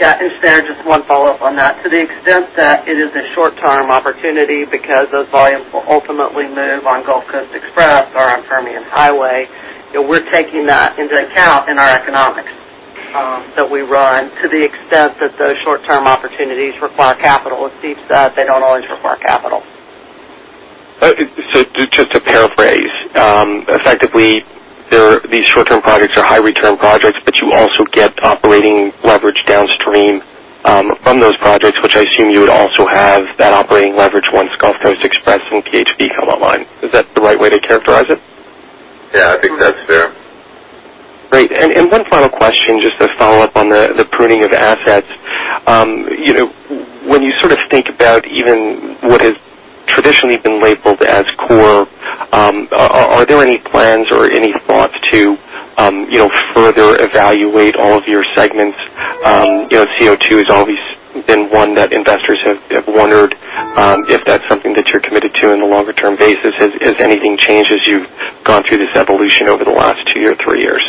[Yeah, understand], one follow-up on that. To the extent that it is a short-term opportunity because those volumes will ultimately move on Gulf Coast Express or on Permian Highway, we're taking that into account in our economics that we run to the extent that those short-term opportunities require capital. As Steve said, they don't always require capital. Just to paraphrase, effectively, these short-term projects are high-return projects, but you also get operating leverage downstream from those projects, which I assume you would also have that operating leverage once Gulf Coast Express and PHP come online. Is that the right way to characterize it? I think that's fair. Great. One final question, just to follow up on the pruning of assets. When you think about even what has traditionally been labeled as core, are there any plans or any thoughts to further evaluate all of your segments? CO2 has always been one that investors have wondered if that's something that you're committed to on a longer-term basis. Has anything changed as you've gone through this evolution over the last two year or three years?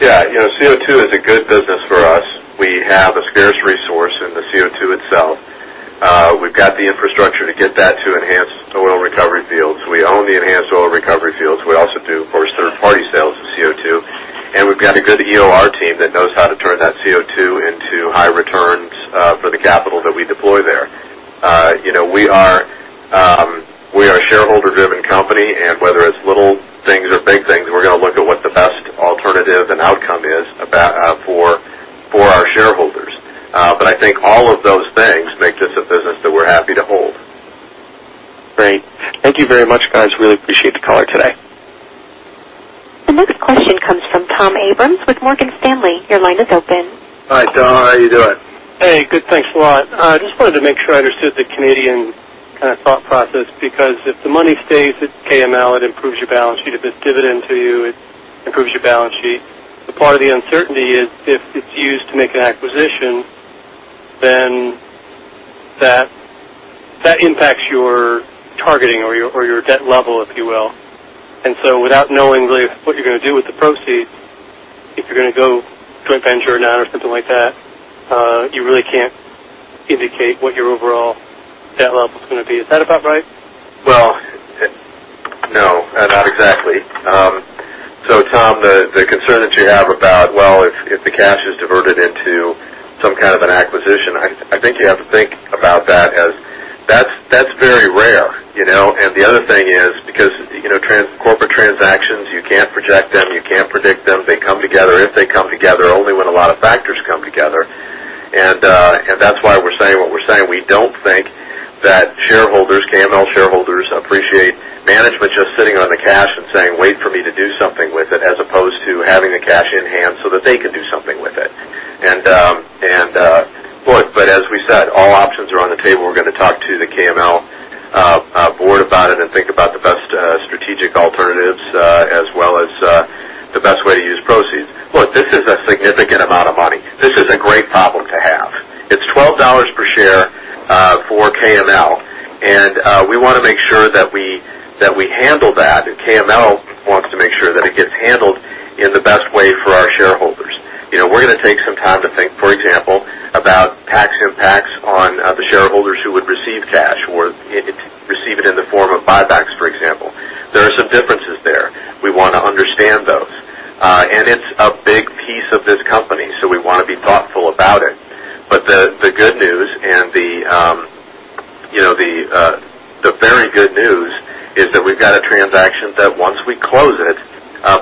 CO2 is a good business for us. We have a scarce resource in the CO2 itself. We've got the infrastructure to get that to enhanced oil recovery fields. We own the enhanced oil recovery fields. We also do, of course, third-party sales of CO2, and we've got a good EOR team that knows how to turn that CO2 into high returns for the capital that we deploy there. We are a shareholder-driven company, and whether it's little things or big things, we're going to look at what the best alternative and outcome is for our shareholders. I think all of those things make this a business that we're happy to hold. Great. Thank you very much, guys. Really appreciate the call today. The next question comes from Tom Abrams with Morgan Stanley. Your line is open. Hi, Tom. How are you doing? Hey, good. Thanks a lot. I just wanted to make sure I understood the Canadian thought process, because if the money stays at KML, it improves your balance sheet. If it's dividend to you, it improves your balance sheet. Part of the uncertainty is if it's used to make an acquisition, then that impacts your targeting or your debt level, if you will. Without knowing really what you're going to do with the proceeds, if you're going to go joint venture or not or something like that, you really can't indicate what your overall debt level is going to be. Is that about right? No, not exactly. Tom, the concern that you have about, well, if the cash is diverted into some kind of an acquisition, I think you have to think about that as that's very rare. The other thing is because corporate transactions, you can't project them. You can't predict them. They come together, if they come together, only when a lot of factors come together. That's why we're saying what we're saying. We don't think that shareholders, KML shareholders, appreciate management just sitting on the cash and saying, "Wait for me to do something with it," as opposed to having the cash in hand so that they can do something with it. Look, but as we said, all options are on the table. We're going to talk to the KML board about it and think about the best strategic alternatives as well as the best way to use proceeds. Look, this is a significant amount of money. This is a great problem to have. It's $12 per share for KML, and we want to make sure that we handle that, and KML wants to make sure that it gets handled in the best way for our shareholders. We're going to take some time to think, for example, about tax impact. For example, there are some differences there. We want to understand those. It's a big piece of this company, so we want to be thoughtful about it. The good news and the very good news is that we've got a transaction that once we close it,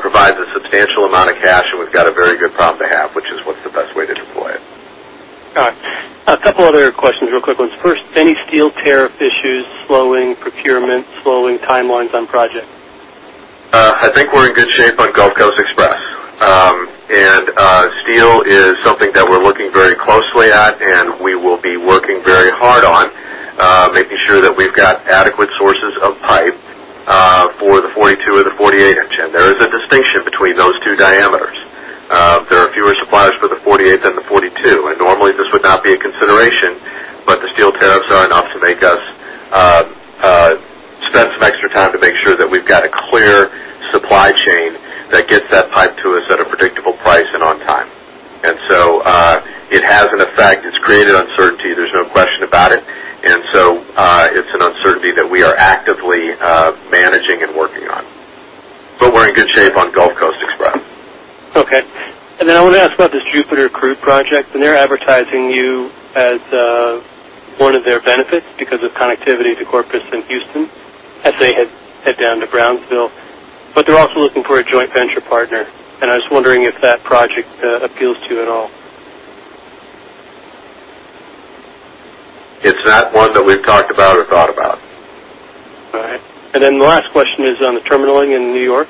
provides a substantial amount of cash, and we've got a very good problem to have, which is what's the best way to deploy it. All right. A couple other questions, real quick ones. First, any steel tariff issues slowing procurement, slowing timelines on projects? I think we're in good shape on Gulf Coast Express. Steel is something that we're looking very closely at, and we will be working very hard on making sure that we've got adequate sources of pipe for the 42 or the 48-inch. There is a distinction between those two diameters. There are fewer suppliers for the 48 than the 42. Normally, this would not be a consideration, but the steel tariffs are enough to make us spend some extra time to make sure that we've got a clear supply chain that gets that pipe to us at a predictable price and on time. So, it has an effect. It's created uncertainty, there's no question about it. So, it's an uncertainty that we are actively managing and working on. We're in good shape on Gulf Coast Express. Okay. I want to ask about this Jupiter Crude Pipeline project. They're advertising you as one of their benefits because of connectivity to Corpus and Houston as they head down to Brownsville. They're also looking for a joint venture partner, and I was wondering if that project appeals to you at all. It's not one that we've talked about or thought about. All right. The last question is on the terminaling in New York.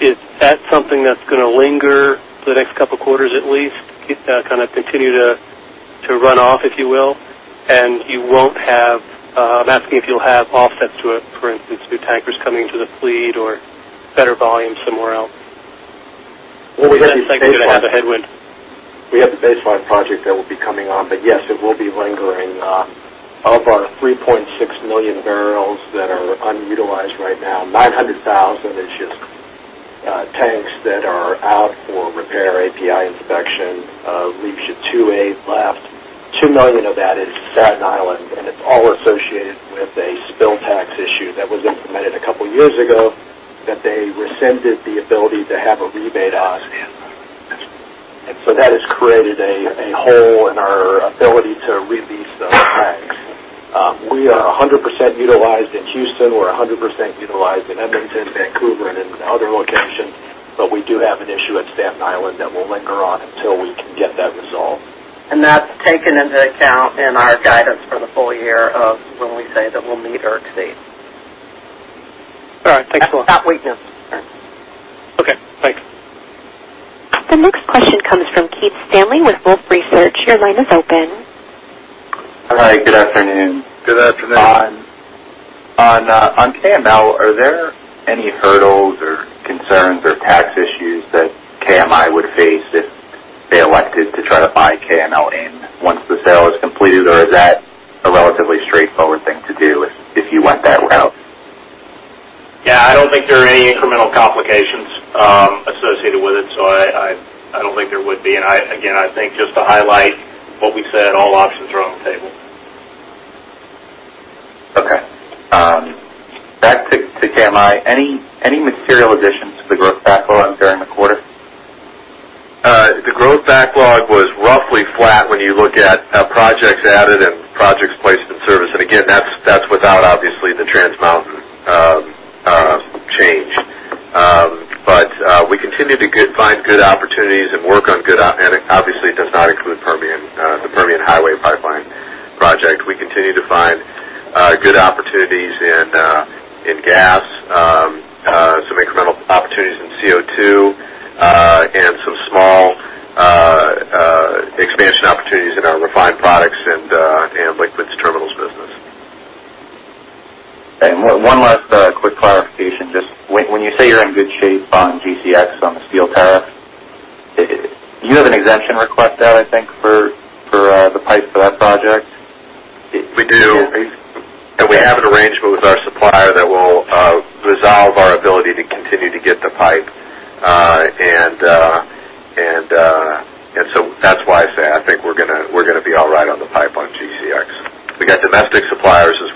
Is that something that's going to linger for the next couple of quarters at least, keep kind of continue to run off, if you will, and you won't have I'm asking if you'll have offsets to it, for instance, new tankers coming into the fleet or better volume somewhere else? Is that something that's going to have a headwind? We have the baseline project that will be coming on. Yes, it will be lingering. Of our 3.6 million barrels that are unutilized right now, 900,000 is just tanks that are out for repair, API inspection, leaves you two-eight left. 2 million of that is Staten Island, and it's all associated with a spill tax issue that was implemented a couple of years ago that they rescinded the ability to have a rebate on. That has created a hole in our ability to release those tanks. We are 100% utilized in Houston. We're 100% utilized in Edmonton, Vancouver, and in other locations, we do have an issue at Staten Island that will linger on until we can get that resolved. That's taken into account in our guidance for the full year of when we say that we'll meet or exceed. All right. Thanks a lot. That's that weakness. Okay. Thanks. The next question comes from Keith Stanley with Wolfe Research. Your line is open. Hi. Good afternoon. Good afternoon. On KML, are there any hurdles or concerns or tax issues that KMI would face if they elected to try to buy KML in once the sale is completed? Or is that a relatively straightforward thing to do if you went that route? Yeah, I don't think there are any incremental complications associated with it, so I don't think there would be. Again, I think just to highlight what we said, all options are on the table. Okay. Back to KMI. Any material additions to the growth backlog during the quarter? The growth backlog was roughly flat when you look at projects added and projects placed in service. Again, that's without obviously the Trans Mountain change. We continue to find good opportunities and work on. Obviously, it does not include the Permian Highway Pipeline project. We continue to find good opportunities in gas, some incremental opportunities in CO2, and some small expansion opportunities in our refined products and liquids terminals business. Okay. One last quick clarification. Just when you say you're in good shape on GCX on the steel tariff, you have an exemption request out, I think, for the pipe for that project? We do. We have an arrangement with our supplier that will resolve our ability to continue to get the pipe. That's why I say I think we're going to be all right on the pipe on GCX. We got domestic suppliers. It's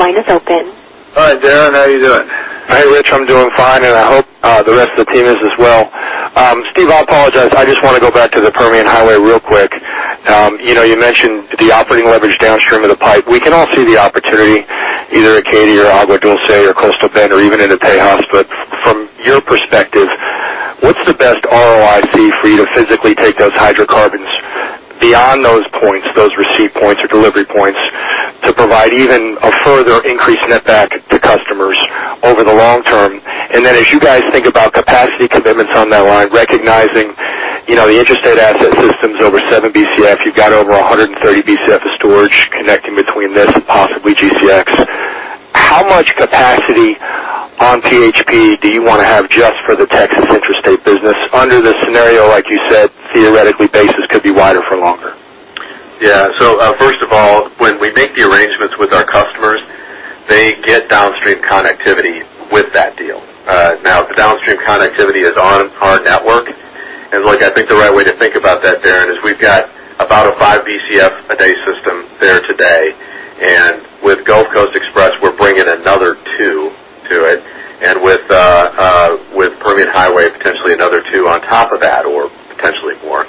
actually more than half domestic produced pipe for GCX. We are getting the pipe from the foreign supplier. Great. Thank you very much. The next question comes from Darren Hauer with Raymond James. Your line is open. Hi, Darren. How are you doing? Hey, Rich. I'm doing fine, and I hope the rest of the team is as well. Steve, I apologize. I just want to go back to the Permian Highway real quick. You mentioned the operating leverage downstream of the pipe. We can all see the opportunity either at Katy or Agua Dulce or Coastal Bend or even into Tejas. From your perspective, what's the best ROIC for you to physically take those hydrocarbons beyond those points, those receipt points or delivery points, to provide even a further increased net back to customers over the long term? As you guys think about capacity commitments on that line, recognizing the interstate asset systems over 7 Bcf, you've got over 130 Bcf of storage connecting between this and possibly GCX. How much capacity PHP do you want to have just for the Texas intrastate business under the scenario, like you said, theoretically basis could be wider for longer? Yeah. First of all, when we make the arrangements with our customers, they get downstream connectivity with that deal. The downstream connectivity is on our network, and look, I think the right way to think about that, Darren, is we've got about a 5 Bcf a day system there today. With Gulf Coast Express, we're bringing another 2 to it. With Permian Highway, potentially another 2 on top of that, or potentially more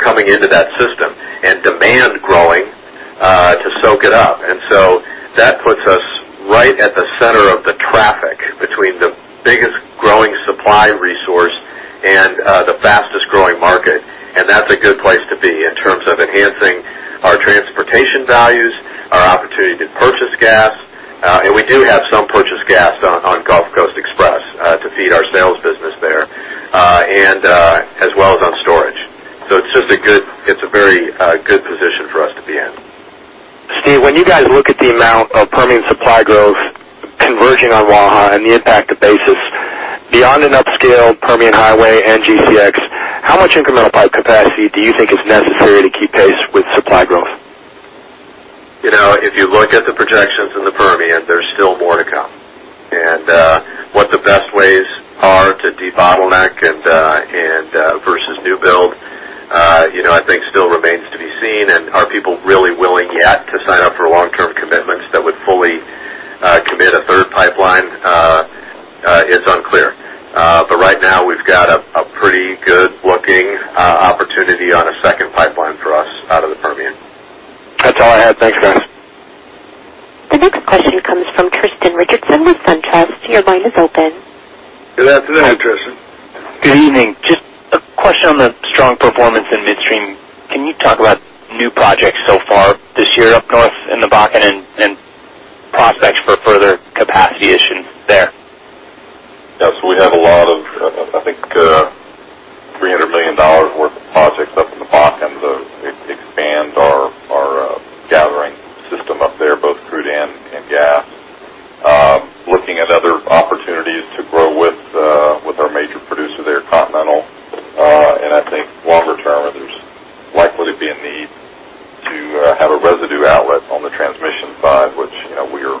coming into that system and demand growing to soak it up. That puts us right at the center of the traffic between the biggest growing supply resource and the fastest-growing market. That's a good place to be in terms of enhancing our transportation values, our opportunity to purchase gas. We do have some purchase gas on Gulf Coast Express to feed our sales business there, as well as on storage. It's a very good position for us to be in. Steve, when you guys look at the amount of Permian supply growth converging on Waha and the impact to basis beyond an upscale Permian Highway and GCX, how much incremental pipe capacity do you think is necessary to keep pace with supply growth? If you look at the projections in the Permian, there's still more to come. What the best ways are to debottleneck versus new build I think still remains to be seen. Are people really willing yet to sign up for long-term commitments that would fully commit a third pipeline? It's unclear. Right now, we've got a pretty good-looking opportunity on a second pipeline for us out of the Permian. That's all I had. Thanks, guys. The next question comes from Tristan Richardson with SunTrust. Your line is open. Good afternoon, Tristan. Good evening. Just a question on the strong performance in midstream. Can you talk about new projects so far this year up north in the Bakken and prospects for further capacity issues there? Yeah. We have a lot of, I think $300 million worth of projects up in the Bakken to expand our gathering system up there, both crude and gas. Looking at other opportunities to grow with our major producer there, Continental. I think longer term, there's likely to be a need to have a residue outlet on the transmission side, which we're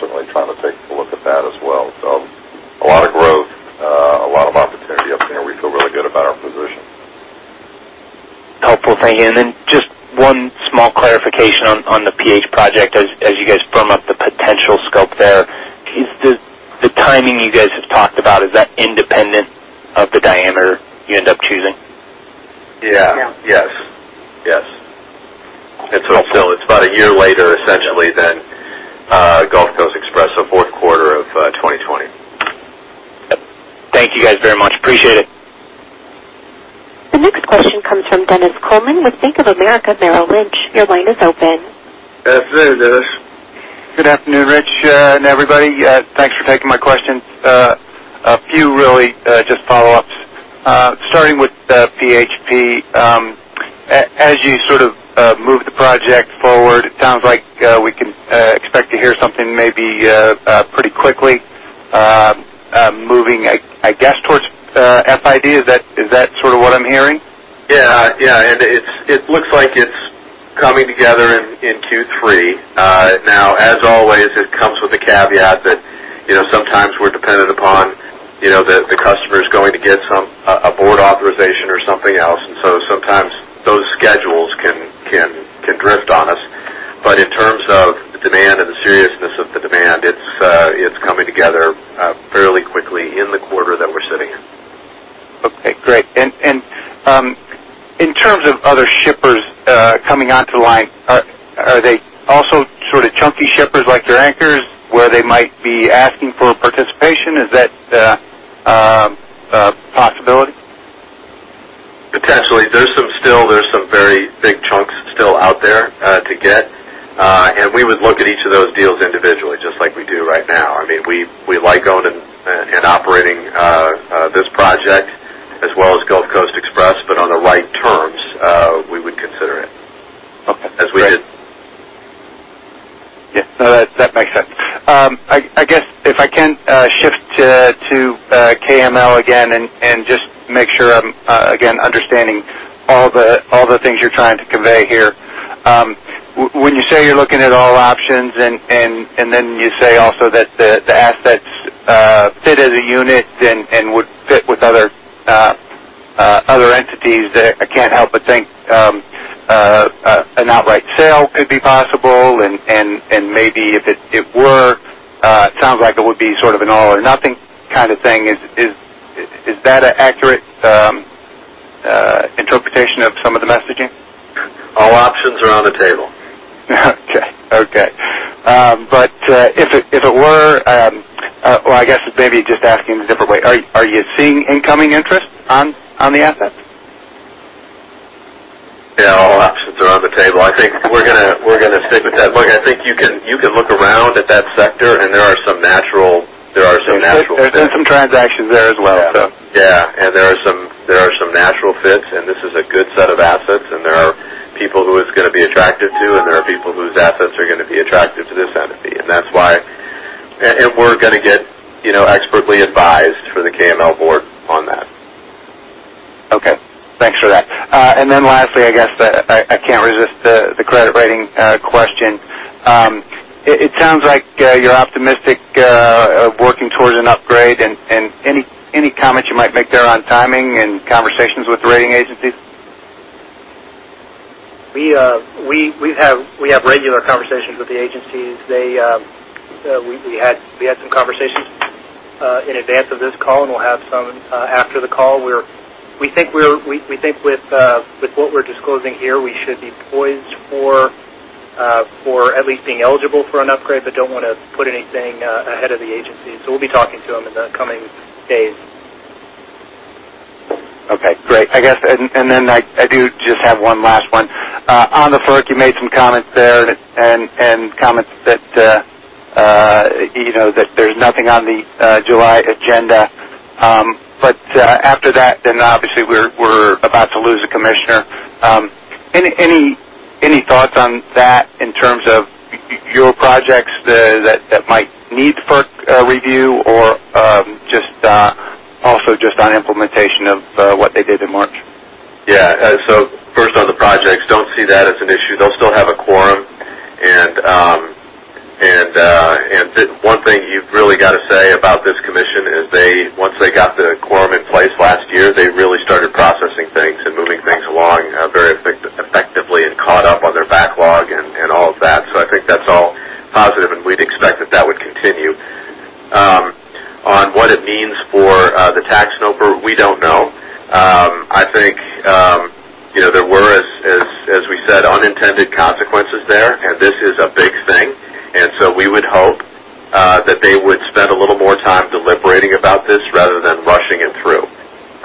certainly trying to take a look at that as well. A lot of growth, a lot of opportunity up there. We feel really good about our position. Helpful. Thank you. Just one small clarification on the PH project. As you guys firm up the potential scope there, the timing you guys have talked about, is that independent of the diameter you end up choosing? Yeah. Yeah. Yes. It's about a year later, essentially, than Gulf Coast Express, so fourth quarter of 2020. Thank you guys very much. Appreciate it. The next question comes from Dennis Coleman with Bank of America Merrill Lynch. Your line is open. Good afternoon, Dennis Coleman. Good afternoon, Rich, and everybody. Thanks for taking my questions. A few really just follow-ups. Starting with PHP. As you sort of move the project forward, it sounds like we can expect to hear something maybe pretty quickly moving, I guess, towards FID. Is that sort of what I'm hearing? Yeah. It looks like it's coming together in Q3. As always, it comes with a caveat that sometimes we're dependent upon the customers going to get a board authorization or something else. Sometimes those schedules can drift on us. But in terms of the demand and the seriousness of the demand, it's coming together fairly quickly in the quarter that we're sitting in. Okay, great. In terms of other shippers coming onto the line, are they also sort of chunky shippers like your anchors, where they might be asking for participation? Is that a possibility? Potentially. There's some very big chunks still out there to get. We would look at each of those deals individually, just like we do right now. We like owning and operating this project as well as Gulf Coast Express, on the right terms we would consider it as we did. Yeah. No, that makes sense. I guess if I can shift to KML again and just make sure I'm again understanding all the things you're trying to convey here. When you say you're looking at all options and then you say also that the assets fit as a unit and would fit with other entities, I can't help but think an outright sale could be possible. Maybe if it were, it sounds like it would be sort of an all or nothing kind of thing. Is that an accurate interpretation of some of the messaging? All options are on the table. Okay. If it were Well, I guess maybe just asking a different way. Are you seeing incoming interest on the assets? Yeah, all options are on the table. I think we're going to stick with that. Look, I think you can look around at that sector, there are some natural fits. There's been some transactions there as well. Yeah. There are some natural fits. Be attracted to, there are people whose assets are going to be attracted to this entity. We're going to get expertly advised for the KML board on that. Okay. Thanks for that. Lastly, I guess, I can't resist the credit rating question. It sounds like you're optimistic of working towards an upgrade and any comments you might make there on timing and conversations with the rating agencies? We have regular conversations with the agencies. We had some conversations in advance of this call, and we'll have some after the call. We think with what we're disclosing here, we should be poised for at least being eligible for an upgrade, but don't want to put anything ahead of the agency. We'll be talking to them in the coming days. Okay, great. I guess, I do just have one last one. On the FERC, you made some comments there and comments that there's nothing on the July agenda. After that, obviously we're about to lose a commissioner. Any thoughts on that in terms of your projects that might need FERC review or just also just on implementation of what they did in March? Yeah. First, on the projects, don't see that as an issue. They'll still have a quorum, one thing you've really got to say about this commission is once they got the quorum in place last year, they really started processing things and moving things along very effectively and caught up on their backlog and all of that. I think that's all positive, and we'd expect that that would continue. On what it means for the tax NOPR, we don't know. I think there were, as we said, unintended consequences there, and this is a big thing. We would hope that they would spend a little more time deliberating about this rather than rushing it through.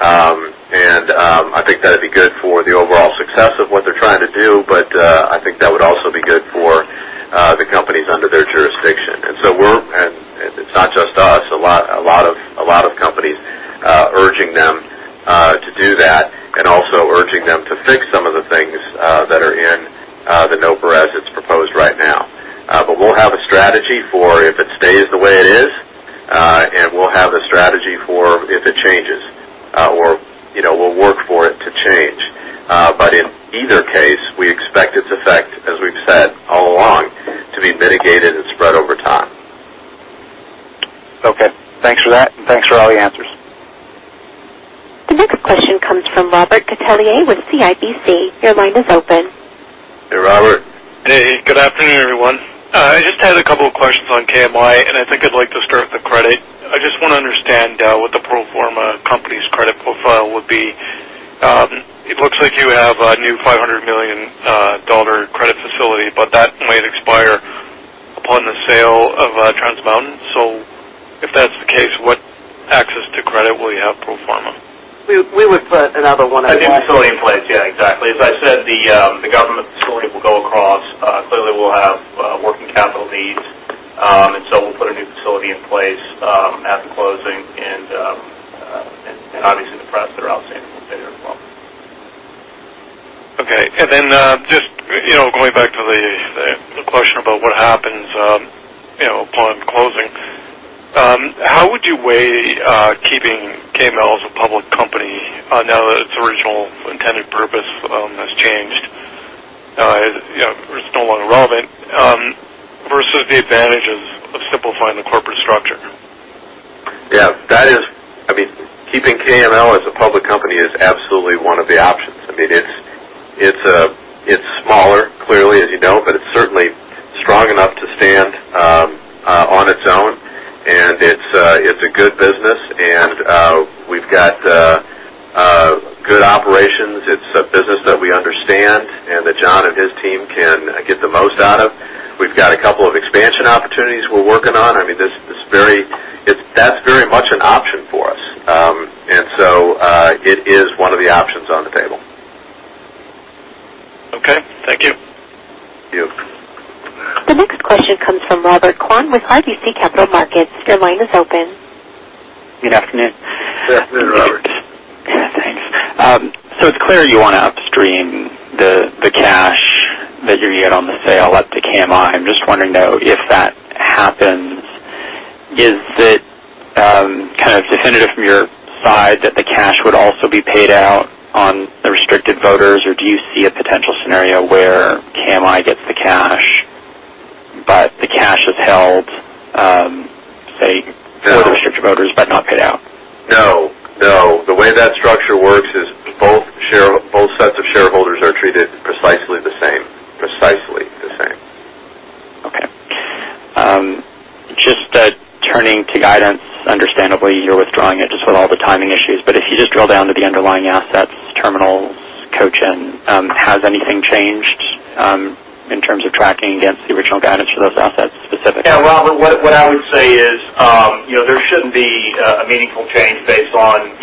I think that'd be good for the overall success of what they're trying to do, but I think that would also be good for the companies under their jurisdiction. It's not just us, a lot of companies are urging them to do that and also urging them to fix some of the things that are in the NOPR as it's proposed right now. We'll have a strategy for if it stays the way it is, and we'll have the strategy for if it changes or we'll work for it to change. In either case, we expect its effect, as we've said all along, to be mitigated and spread over time. Okay. Thanks for that, and thanks for all the answers. The next question comes from Robert Catellier with CIBC. Your line is open. Hey, Robert. Hey, good afternoon, everyone. I just had a couple of questions on KMI, and I think I'd like to start with the credit. I just want to understand what the pro forma company's credit profile would be. It looks like you have a new $500 million credit facility, but that might expire upon the sale of Trans Mountain. If that's the case, what access to credit will you have pro forma? We would put another one in. A new facility in place. Yeah, exactly. As I said, the government facility will go across. Clearly, we'll have working capital needs, so we'll put a new facility in place at the closing, obviously the debt that are outstanding will stay there as well. Okay. Just going back to the question about what happens upon closing. How would you weigh keeping KML as a public company now that its original intended purpose has changed? It's no longer relevant versus the advantages of simplifying the corporate structure. Yeah. Keeping KML as a public company is absolutely one of the options. It's smaller, clearly, as you know, but it's certainly strong enough to stand on its own, and it's a good business, and we've got good operations. It's a business that we understand and that John and his team can get the most out of. We've got a couple of expansion opportunities we're working on. That's very much an option for us. So it is one of the options on the table. Okay. Thank you. Thank you. The next question comes from Robert Kwan with RBC Capital Markets. Your line is open. Good afternoon. Good afternoon, Robert. Yeah, thanks. It's clear you want to upstream the cash that you get on the sale up to KMI. I'm just wondering to know if that happens, is it kind of definitive from your side that the cash would also be paid out on the restricted voters? Do you see a potential scenario where KMI gets the cash, but the cash is held, say, for- No the restricted voters, but not paid out? No. The way that structure works is both sets of shareholders are treated precisely the same. Okay. Just turning to guidance, understandably, you're withdrawing it just with all the timing issues. If you just drill down to the underlying assets, terminals, Cochin, has anything changed in terms of tracking against the original guidance for those assets specifically? Yeah, Robert, what I would say is there shouldn't be a meaningful change based on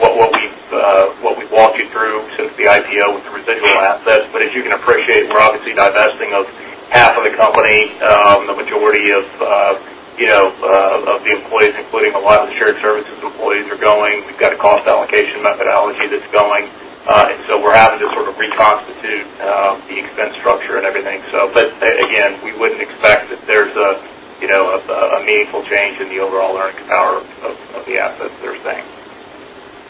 what we've walked you through since the IPO with the residual assets. As you can appreciate, we're obviously divesting of half of the company A lot of the shared services employees are going. We've got a cost allocation methodology that's going. We're having to sort of reconstitute the expense structure and everything. Again, we wouldn't expect that there's a meaningful change in the overall earnings power of the assets they're saying.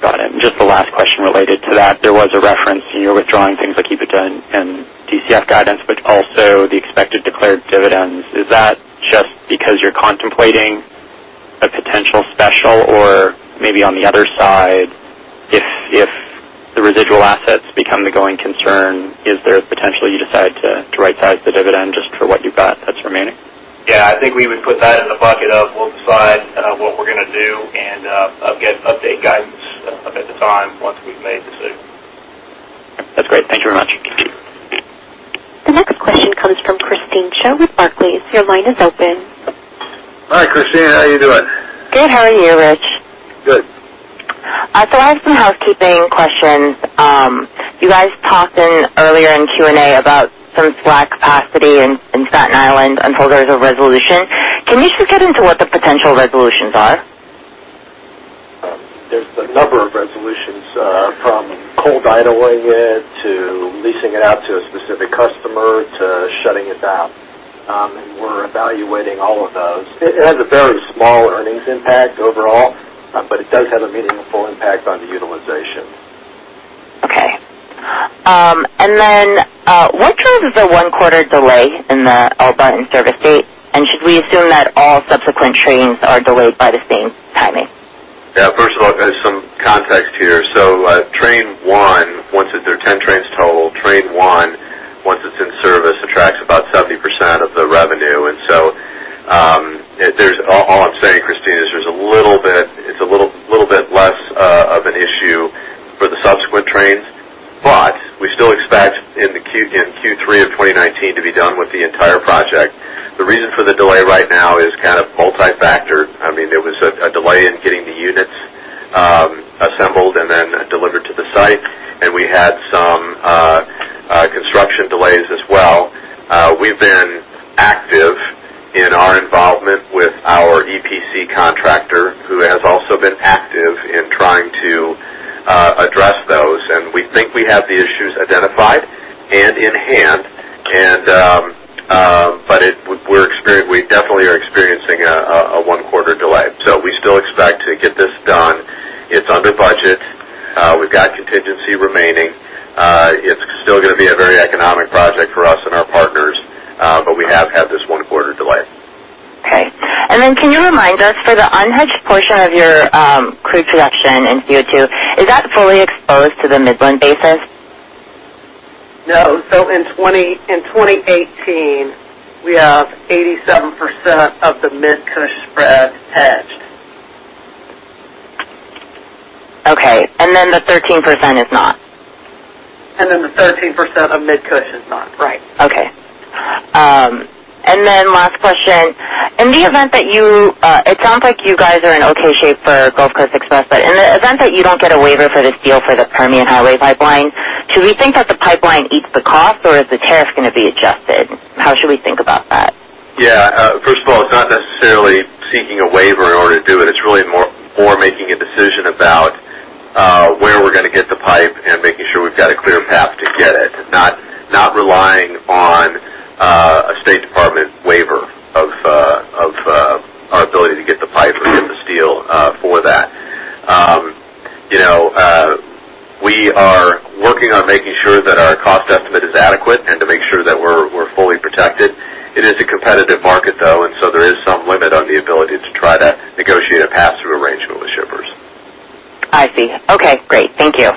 Got it. Just the last question related to that, there was a reference in your withdrawing things like EBITDA and DCF guidance, but also the expected declared dividends. Is that just because you're contemplating a potential special or maybe on the other side, if the residual assets become the going concern, is there a potential you decide to rightsize the dividend just for what you've got that's remaining? Yeah, I think we would put that in the bucket of we'll decide what we're going to do and update guidance at the time once we've made decision. That's great. Thank you very much. The next question comes from Christine Cho with Barclays. Your line is open. Hi, Christine. How are you doing? Good. How are you, Rich? Good. I have some housekeeping questions. You guys talked earlier in Q&A about some slack capacity in Staten Island until there's a resolution. Can you just get into what the potential resolutions are? There's a number of resolutions from cold idling it to leasing it out to a specific customer to shutting it down. We're evaluating all of those. It has a very small earnings impact overall, but it does have a meaningful impact on the utilization. Okay. What drives the one-quarter delay in the Elba in-service date? Should we assume that all subsequent trains are delayed by the same timing? First of all, there's some context here. Train 1, there are 10 trains total. Train 1, once it's in service, attracts about 70% of the revenue. All I'm saying, Christine, is it's a little bit less of an issue for the subsequent trains. We still expect in Q3 of 2019 to be done with the entire project. The reason for the delay right now is kind of multi-factored. There was a delay in getting the units assembled and then delivered to the site. We had some construction delays as well. We've been active in our involvement with our EPC contractor, who has also been active in trying to address those. We think we have the issues identified and in hand. We definitely are experiencing a one-quarter delay. We still expect to get this done. It's under budget. We've got contingency remaining. It's still going to be a very economic project for us and our partners. We have had this one-quarter delay. Okay. Can you remind us for the unhedged portion of your crude production in Q2, is that fully exposed to the Midland basis? No. In 2018, we have 87% of the MidCush spread hedged. Okay. The 13% is not. The 13% of MidCush is not, right. Okay. Last question. It sounds like you guys are in okay shape for Gulf Coast Express, but in the event that you don't get a waiver for the steel for the Permian Highway Pipeline, should we think that the pipeline eats the cost or is the tariff going to be adjusted? How should we think about that? Yeah. First of all, it's not necessarily seeking a waiver in order to do it. It's really more making a decision about where we're going to get the pipe and making sure we've got a clear path to get it, not relying on a State Department waiver of our ability to get the pipe or get the steel for that. We are working on making sure that our cost estimate is adequate and to make sure that we're fully protected. It is a competitive market, though, and so there is some limit on the ability to try to negotiate a pass-through arrangement with shippers. I see. Okay, great. Thank you.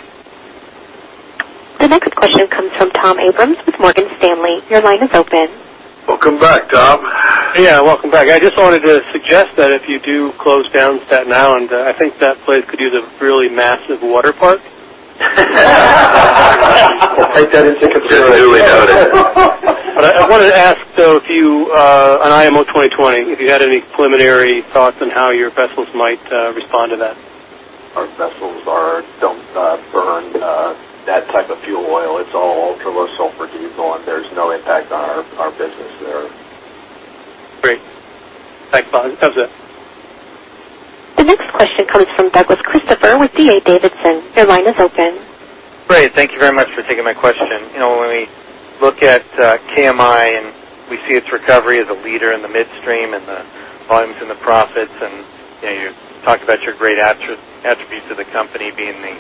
The next question comes from Tom Abrams with Morgan Stanley. Your line is open. Welcome back, Tom. Yeah, welcome back. I just wanted to suggest that if you do close down Staten Island, I think that place could use a really massive water park. We'll take that into consideration. I wanted to ask, though, on IMO 2020, if you had any preliminary thoughts on how your vessels might respond to that. Our vessels don't burn that type of fuel oil. It's all ultra-low sulfur diesel, and there's no impact on our business there. Great. Thanks, Robert. That was it. The next question comes from Douglas Christopher with D.A. Davidson. Your line is open. Great. Thank you very much for taking my question. When we look at KMI and we see its recovery as a leader in the midstream and the volumes and the profits, you talk about your great attributes of the company being the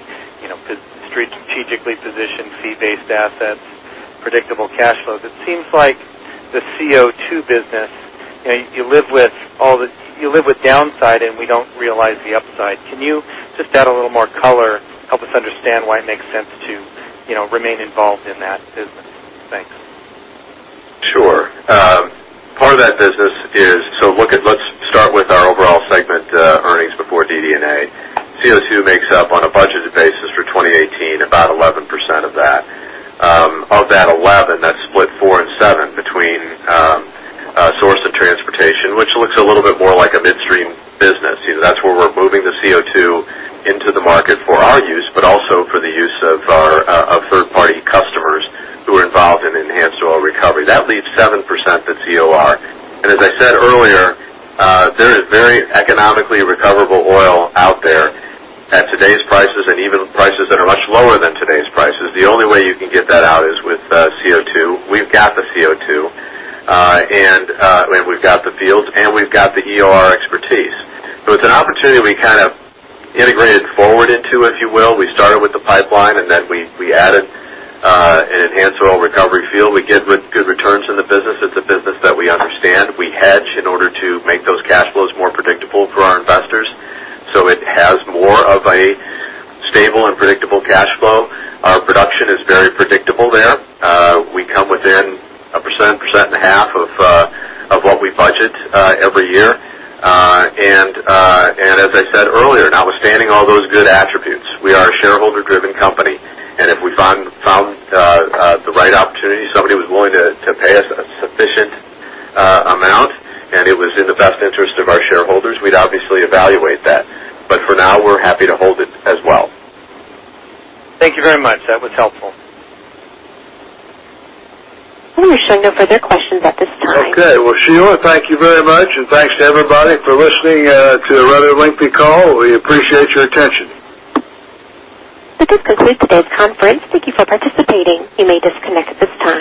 strategically positioned fee-based assets, predictable cash flows. It seems like the CO2 business, you live with downside, we don't realize the upside. Can you just add a little more color, help us understand why it makes sense to remain involved in that business? Thanks. Sure. Part of that business is, let's start with our overall segment earnings before DD&A. CO2 makes up on a budgeted basis for 2018, about 11% of that. Of that 11, that's split four and seven between source and transportation, which looks a little bit more like a midstream business. That's where we're moving the CO2 into the market for our use, but also for the use of third-party customers who are involved in enhanced oil recovery. That leaves 7% to EOR. As I said earlier, there is very economically recoverable oil out there at today's prices and even prices that are much lower than today's prices. The only way you can get that out is with CO2. We've got the CO2, and we've got the fields, and we've got the EOR expertise. It's an opportunity we kind of integrated forward into, if you will. We started with the pipeline, then we added an enhanced oil recovery field. We get good returns in the business. It's a business that we understand. We hedge in order to make those cash flows more predictable for our investors. It has more of a stable and predictable cash flow. Our production is very predictable there. We come within a percent and a half of what we budget every year. As I said earlier, notwithstanding all those good attributes, we are a shareholder-driven company. If we found the right opportunity, somebody was willing to pay us a sufficient amount, and it was in the best interest of our shareholders, we'd obviously evaluate that. For now, we're happy to hold it as well. Thank you very much. That was helpful. I'm showing no further questions at this time. Okay. Well, Sheila, thank you very much. Thanks to everybody for listening to a rather lengthy call. We appreciate your attention. This concludes today's conference. Thank you for participating. You may disconnect at this time.